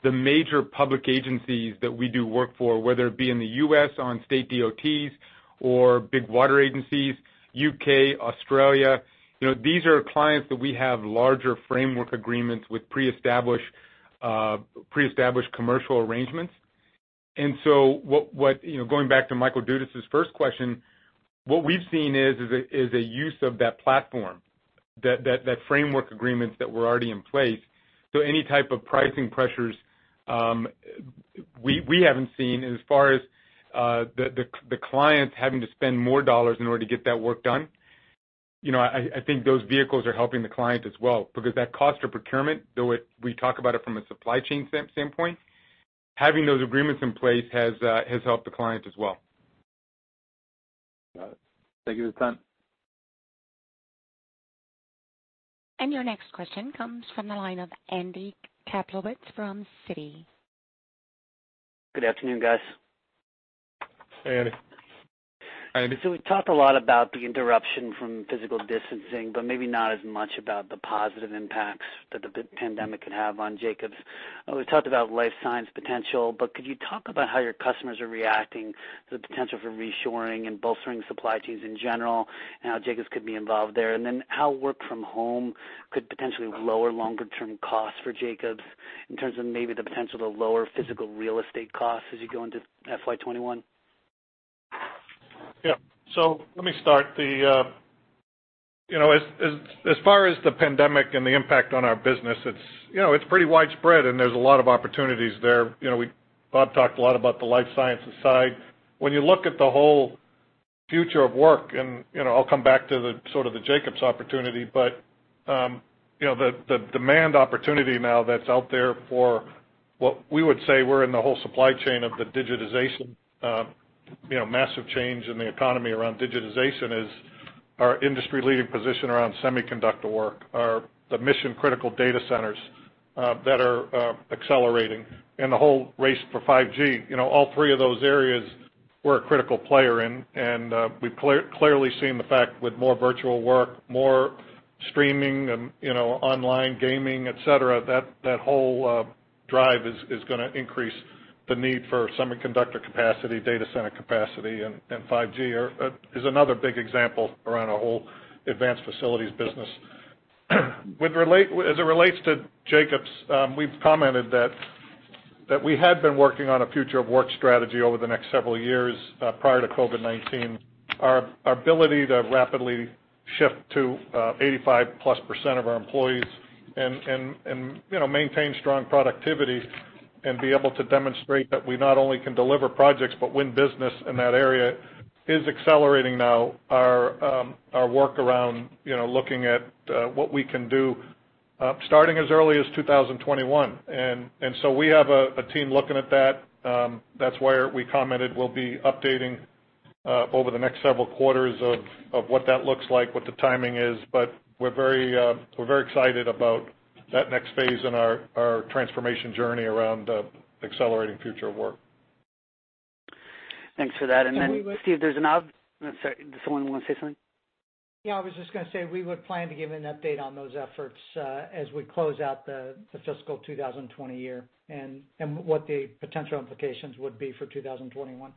at the major public agencies that we do work for, whether it be in the U.S. on state DOTs or big water agencies, U.K., Australia, these are clients that we have larger framework agreements with pre-established commercial arrangements. And so going back to Michael Dudas's first question, what we've seen is a use of that platform, that framework agreements that were already in place. So, any type of pricing pressures we haven't seen as far as the clients having to spend more dollars in order to get that work done. I think those vehicles are helping the client as well because that cost of procurement, though we talk about it from a supply chain standpoint, having those agreements in place has helped the client as well. Got it. Thank you. And your next question comes from the line of Andy Kaplowitz from Citi. Good afternoon, guys. Hey, Andy. All right. So we talked a lot about the interruption from physical distancing, but maybe not as much about the positive impacts that the pandemic could have on Jacobs. We talked about life science potential, but could you talk about how your customers are reacting to the potential for reshoring and bolstering supply chains in general and how Jacobs could be involved there? And then how work from home could potentially lower longer-term costs for Jacobs in terms of maybe the potential to lower physical real estate costs as you go into FY21? Yep. So let me start. As far as the pandemic and the impact on our business, it's pretty widespread, and there's a lot of opportunities there. Bob talked a lot about the life sciences side. When you look at the whole future of work, and I'll come back to sort of the Jacobs opportunity, but the demand opportunity now that's out there for what we would say we're in the whole supply chain of the digitization, massive change in the economy around digitization is our industry-leading position around semiconductor work, the mission-critical data centers that are accelerating, and the whole race for 5G. All three of those areas we're a critical player in. And we've clearly seen the fact with more virtual work, more streaming, online gaming, etc., that whole drive is going to increase the need for semiconductor capacity, data center capacity, and 5G is another big example around our whole advanced facilities business. As it relates to Jacobs, we've commented that we had been working on a future of work strategy over the next several years prior to COVID-19. Our ability to rapidly shift to 85-plus% of our employees and maintain strong productivity and be able to demonstrate that we not only can deliver projects but win business in that area is accelerating now our work around looking at what we can do starting as early as 2021. And so we have a team looking at that. That's why we commented we'll be updating over the next several quarters of what that looks like, what the timing is. But we're very excited about that next phase in our transformation journey around accelerating future of work. Thanks for that. And then, Steve, there's an, sorry, did someone want to say something? Yeah. I was just going to say we would plan to give an update on those efforts as we close out the fiscal 2020 year and what the potential implications would be for 2021.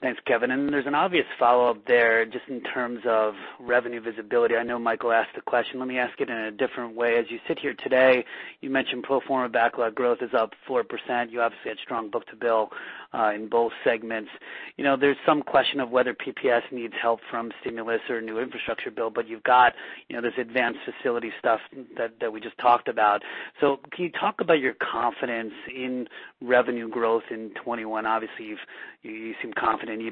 Thanks, Kevin. And there's an obvious follow-up there just in terms of revenue visibility. I know Michael asked the question. Let me ask it in a different way. As you sit here today, you mentioned pro forma backlog growth is up 4%. You obviously had strong book-to-bill in both segments. There's some question of whether PPS needs help from stimulus or a new infrastructure bill, but you've got this advanced facility stuff that we just talked about. So can you talk about your confidence in revenue growth in 2021? Obviously, you seem confident in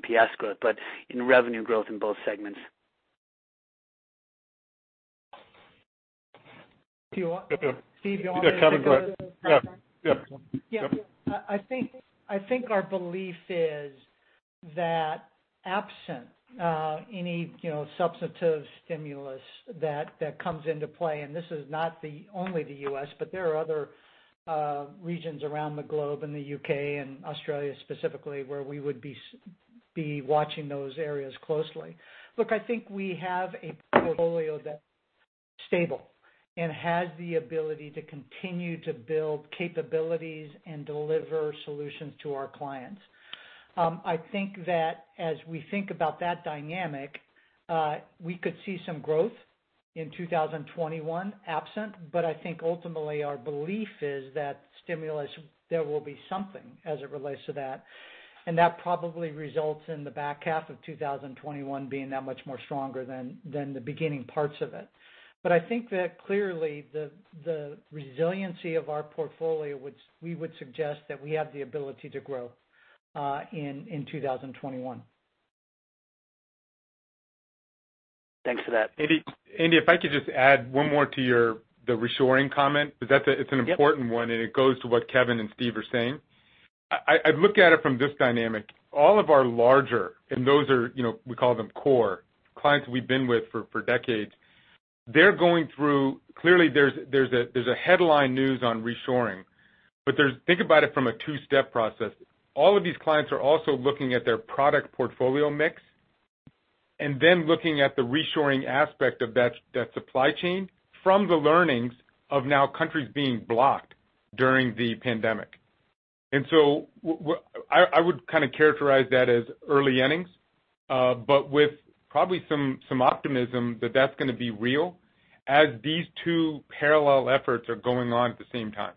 EPS growth, but in revenue growth in both segments? Steve, you want to? Yep. Yep. Yep. I think our belief is that absent any substantive stimulus that comes into play, and this is not only the U.S., but there are other regions around the globe in the U.K. and Australia specifically where we would be watching those areas closely. Look, I think we have a portfolio that's stable and has the ability to continue to build capabilities and deliver solutions to our clients. I think that as we think about that dynamic, we could see some growth in 2021 absent, but I think ultimately our belief is that stimulus, there will be something as it relates to that. And that probably results in the back half of 2021 being that much more stronger than the beginning parts of it. But I think that clearly the resiliency of our portfolio, we would suggest that we have the ability to grow in 2021. Thanks for that. Andy, if I could just add one more to the reshoring comment, it's an important one, and it goes to what Kevin and Steve are saying. I'd look at it from this dynamic. All of our larger, and those are we call them core clients we've been with for decades, they're going through clearly there's a headline news on reshoring, but think about it from a two-step process. All of these clients are also looking at their product portfolio mix and then looking at the reshoring aspect of that supply chain from the learnings of now countries being blocked during the pandemic. And so I would kind of characterize that as early innings, but with probably some optimism that that's going to be real as these two parallel efforts are going on at the same time.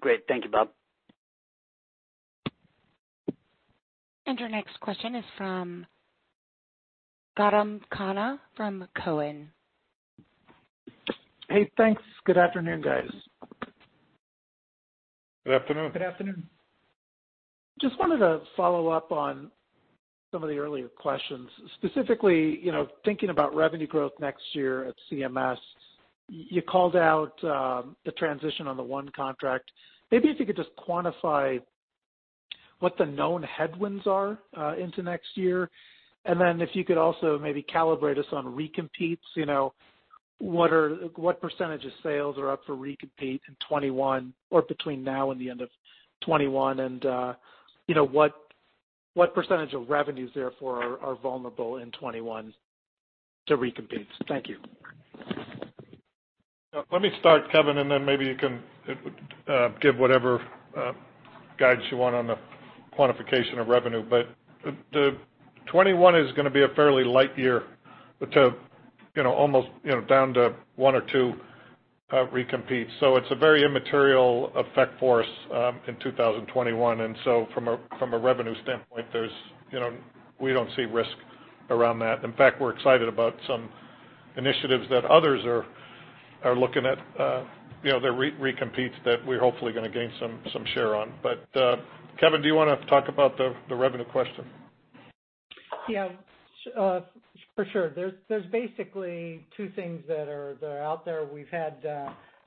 Great. Thank you, Bob. And our next question is from Gautam Khanna from Cowen. Hey, thanks. Good afternoon, guys. Good afternoon. Good afternoon. Just wanted to follow up on some of the earlier questions. Specifically, thinking about revenue growth next year at CMS, you called out the transition on the one contract. Maybe if you could just quantify what the known headwinds are into next year. And then if you could also maybe calibrate us on recompetes, what percentage of sales are up for recompete in 2021 or between now and the end of 2021, and what percentage of revenues therefore are vulnerable in 2021 to recompetes? Thank you. Let me start, Kevin, and then maybe you can give whatever guidance you want on the quantification of revenue. But 2021 is going to be a fairly light year, down to almost one or two recompetes. So it's a very immaterial effect for us in 2021. And so from a revenue standpoint, we don't see risk around that. In fact, we're excited about some initiatives that others are looking at their recompetes that we're hopefully going to gain some share on. But Kevin, do you want to talk about the revenue question? Yeah. For sure. There's basically two things that are out there. We've had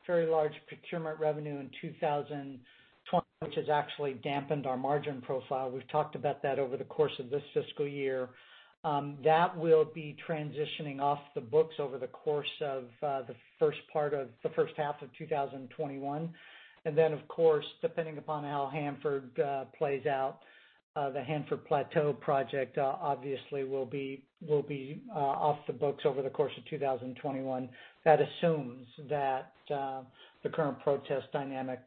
very large procurement revenue in 2020, which has actually dampened our margin profile. We've talked about that over the course of this fiscal year. That will be transitioning off the books over the course of the first half of 2021. And then, of course, depending upon how Hanford plays out, the Hanford Plateau project obviously will be off the books over the course of 2021. That assumes that the current protest dynamic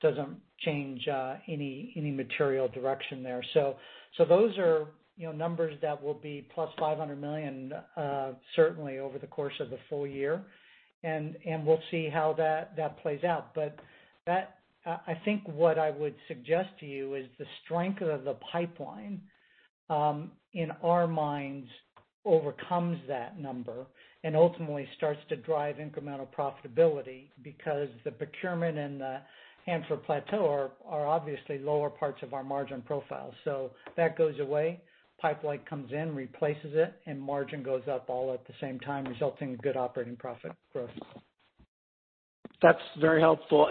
doesn't change any material direction there. So those are numbers that will be plus $500 million, certainly, over the course of the full year. And we'll see how that plays out. But I think what I would suggest to you is the strength of the pipeline in our minds overcomes that number and ultimately starts to drive incremental profitability because the procurement and the Hanford Plateau are obviously lower parts of our margin profile. So that goes away, pipeline comes in, replaces it, and margin goes up all at the same time, resulting in good operating profit growth. That's very helpful.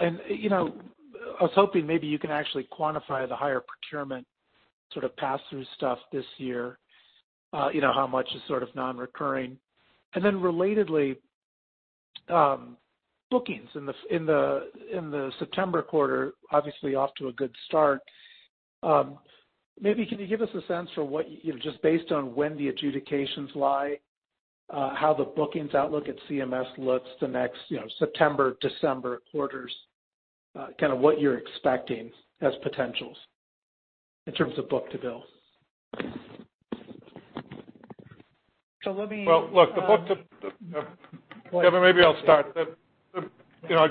I was hoping maybe you can actually quantify the higher procurement sort of pass-through stuff this year, how much is sort of non-recurring. Then relatedly, bookings in the September quarter, obviously off to a good start. Maybe can you give us a sense for what, just based on when the adjudications lie, how the bookings outlook at CMS looks the next September, December quarters, kind of what you're expecting as potentials in terms of book to bill? So let me. Well, look, the book to. Kevin, maybe I'll start.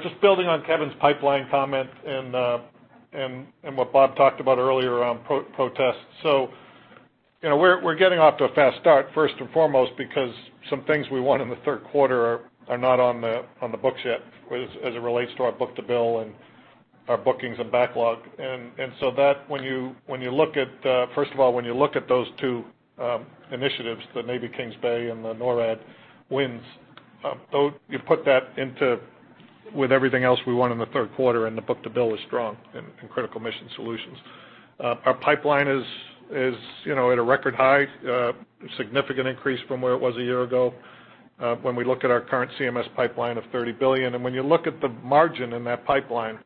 Just building on Kevin's pipeline comment and what Bob talked about earlier around protests. So we're getting off to a fast start, first and foremost, because some things we want in the third quarter are not on the books yet as it relates to our book to bill and our bookings and backlog. And so when you look at, first of all, when you look at those two initiatives, the Navy Kings Bay and the NORAD wins, you put that in, too, with everything else we won in the third quarter, and the book-to-bill is strong in critical mission solutions. Our pipeline is at a record high, a significant increase from where it was a year ago when we look at our current CMS pipeline of $30 billion. And when you look at the margin in that pipeline,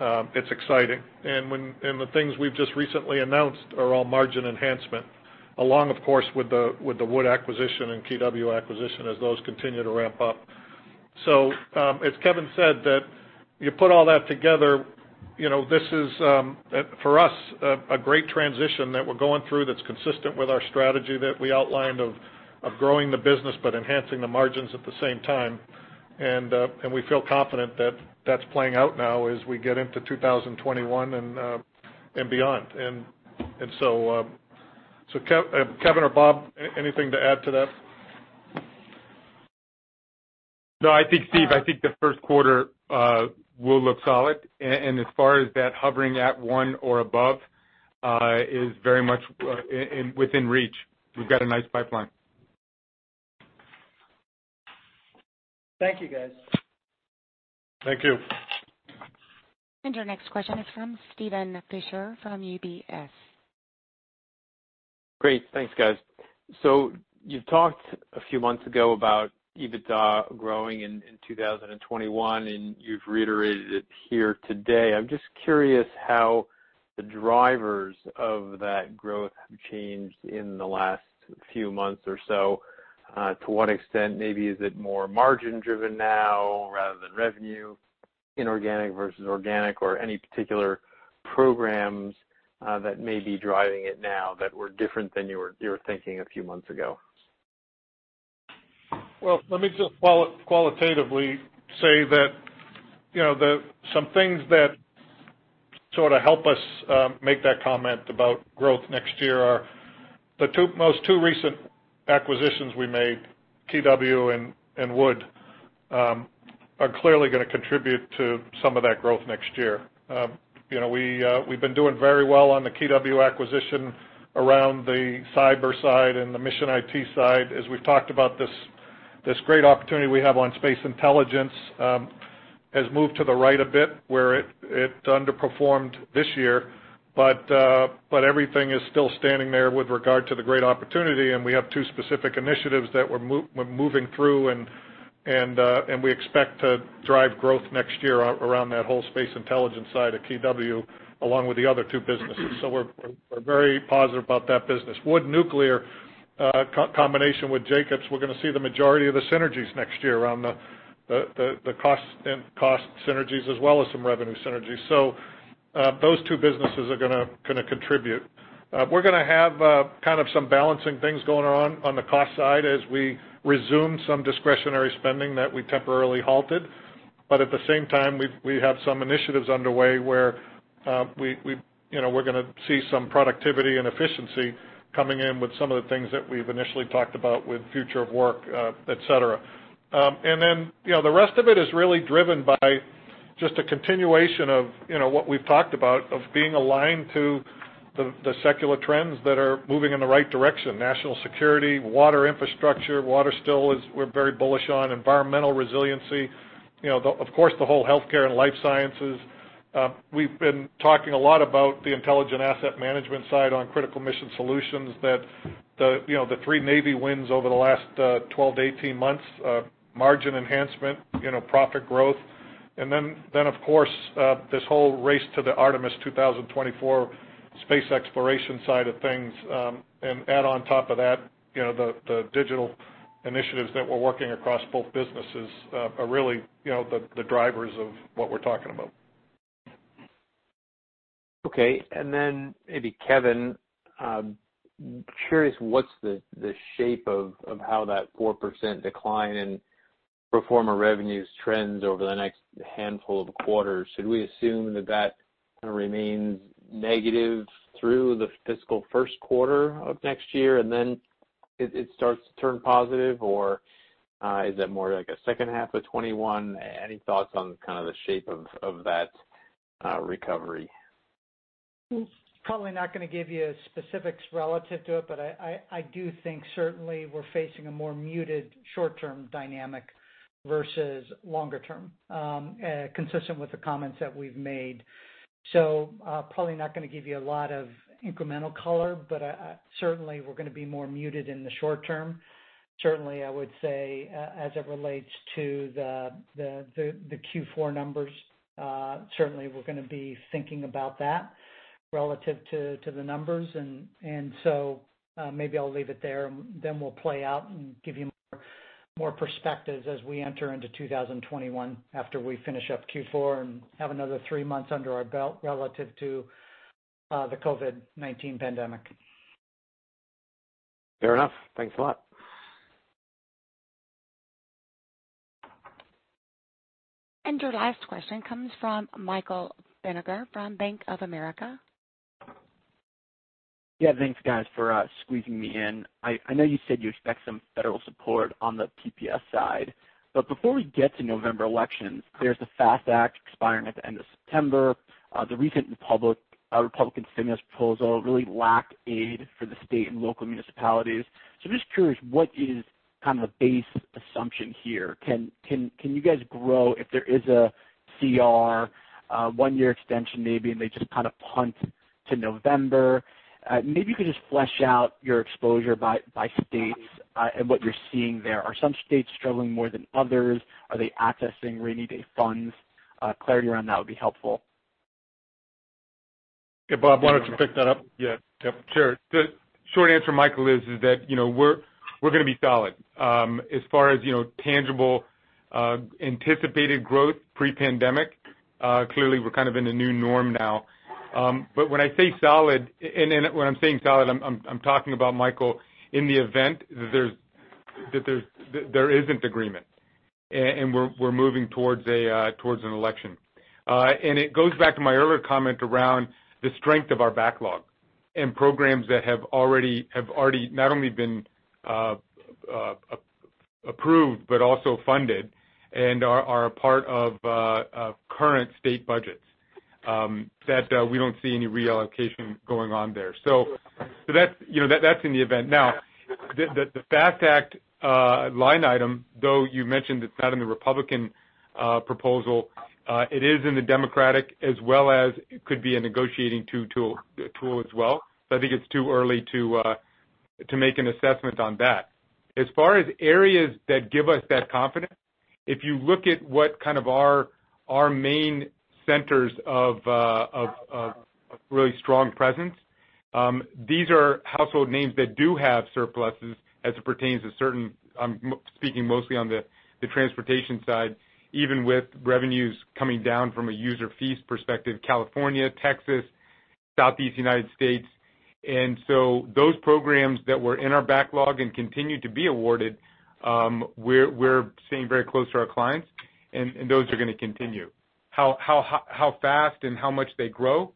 it's exciting. And the things we've just recently announced are all margin enhancement, along, of course, with the Wood acquisition and KW acquisition as those continue to ramp up. So, as Kevin said, if you put all that together, this is, for us, a great transition that we're going through that's consistent with our strategy that we outlined of growing the business but enhancing the margins at the same time. And we feel confident that that's playing out now as we get into 2021 and beyond. And so, Kevin or Bob, anything to add to that? No, I think, Steve, I think the first quarter will look solid. And as far as that hovering at one or above is very much within reach. We've got a nice pipeline. Thank you, guys. Thank you. And our next question is from Steven Fisher from UBS. Great. Thanks, guys. So you talked a few months ago about EBITDA growing in 2021, and you've reiterated it here today. I'm just curious how the drivers of that growth have changed in the last few months or so. To what extent maybe is it more margin-driven now rather than revenue, inorganic versus organic, or any particular programs that may be driving it now that were different than you were thinking a few months ago? Well, let me just qualitatively say that some things that sort of help us make that comment about growth next year are the most two recent acquisitions we made, KW and Wood, are clearly going to contribute to some of that growth next year. We've been doing very well on the KW acquisition around the cyber side and the mission IT side. As we've talked about, this great opportunity we have on space intelligence has moved to the right a bit where it underperformed this year, but everything is still standing there with regard to the great opportunity, and we have two specific initiatives that we're moving through, and we expect to drive growth next year around that whole space intelligence side at KW along with the other two businesses, so we're very positive about that business. Wood Nuclear, combination with Jacobs, we're going to see the majority of the synergies next year around the cost synergies as well as some revenue synergies, so those two businesses are going to contribute. We're going to have kind of some balancing things going on on the cost side as we resume some discretionary spending that we temporarily halted. But at the same time, we have some initiatives underway where we're going to see some productivity and efficiency coming in with some of the things that we've initially talked about with future of work, etc. And then the rest of it is really driven by just a continuation of what we've talked about of being aligned to the secular trends that are moving in the right direction: national security, water infrastructure. Water still is. We're very bullish on environmental resiliency. Of course, the whole healthcare and life sciences. We've been talking a lot about the intelligent asset management side on critical mission solutions that the three Navy wins over the last 12-18 months: margin enhancement, profit growth. And then, of course, this whole race to the Artemis 2024 space exploration side of things. And add on top of that, the digital initiatives that we're working across both businesses are really the drivers of what we're talking about. Okay. And then maybe Kevin, curious what's the shape of how that 4% decline in pro forma revenues trends over the next handful of quarters. Should we assume that that kind of remains negative through the fiscal first quarter of next year and then it starts to turn positive, or is that more like a second half of 2021? Any thoughts on kind of the shape of that recovery? Probably not going to give you specifics relative to it, but I do think certainly we're facing a more muted short-term dynamic versus longer-term, consistent with the comments that we've made. So probably not going to give you a lot of incremental color, but certainly we're going to be more muted in the short term. Certainly, I would say as it relates to the Q4 numbers, certainly we're going to be thinking about that relative to the numbers. And so maybe I'll leave it there, and then we'll play out and give you more perspectives as we enter into 2021 after we finish up Q4 and have another three months under our belt relative to the COVID-19 pandemic. Fair enough. Thanks a lot. And your last question comes from Michael Feniger from Bank of America. Yeah. Thanks, guys, for squeezing me in. I know you said you expect some federal support on the PPS side. But before we get to November elections, there's a FAST Act expiring at the end of September. The recent Republican stimulus proposal really lacked aid for the state and local municipalities. So I'm just curious, what is kind of the base assumption here? Can you guys grow if there is a CR, one-year extension maybe, and they just kind of punt to November? Maybe you could just flesh out your exposure by states and what you're seeing there. Are some states struggling more than others? Are they accessing rainy day funds? Clarity around that would be helpful. Yeah. Bob, why don't you pick that up? Yeah. Yep. Sure. The short answer, Michael, is that we're going to be solid. As far as tangible anticipated growth pre-pandemic, clearly we're kind of in a new norm now. But when I say solid, and when I'm saying solid, I'm talking about, Michael, in the event that there isn't agreement and we're moving towards an election. And it goes back to my earlier comment around the strength of our backlog and programs that have already not only been approved but also funded and are a part of current state budgets, that we don't see any reallocation going on there. So that's in the event. Now, the FAST Act line item, though you mentioned it's not in the Republican proposal, it is in the Democratic as well as it could be a negotiating tool as well. So I think it's too early to make an assessment on that. As far as areas that give us that confidence, if you look at what kind of our main centers of really strong presence, these are household names that do have surpluses as it pertains to certain, I'm speaking mostly on the transportation side, even with revenues coming down from a user fees perspective: California, Texas, Southeast United States. And so those programs that were in our backlog and continue to be awarded, we're staying very close to our clients, and those are going to continue. How fast and how much they grow,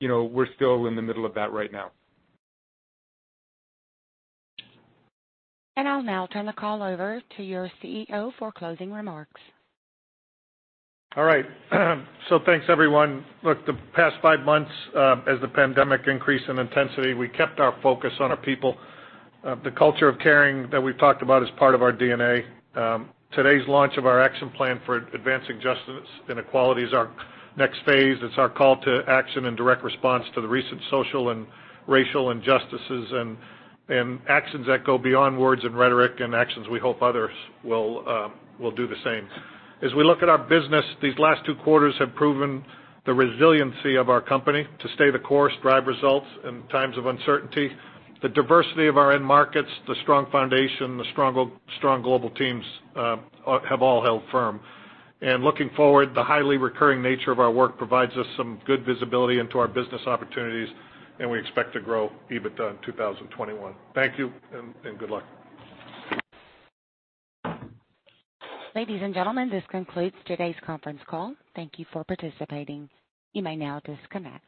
we're still in the middle of that right now. And I'll now turn the call over to your CEO for closing remarks. All right. So thanks, everyone. Look, the past five months, as the pandemic increased in intensity, we kept our focus on our people. The culture of caring that we've talked about is part of our DNA. Today's launch of our action plan for advancing justice and equality is our next phase. It's our call to action and direct response to the recent social and racial injustices and actions that go beyond words and rhetoric and actions we hope others will do the same. As we look at our business, these last two quarters have proven the resiliency of our company to stay the course, drive results in times of uncertainty. The diversity of our end markets, the strong foundation, the strong global teams have all held firm, and looking forward, the highly recurring nature of our work provides us some good visibility into our business opportunities, and we expect to grow EBITDA in 2021. Thank you and good luck. Ladies and gentlemen, this concludes today's conference call. Thank you for participating. You may now disconnect.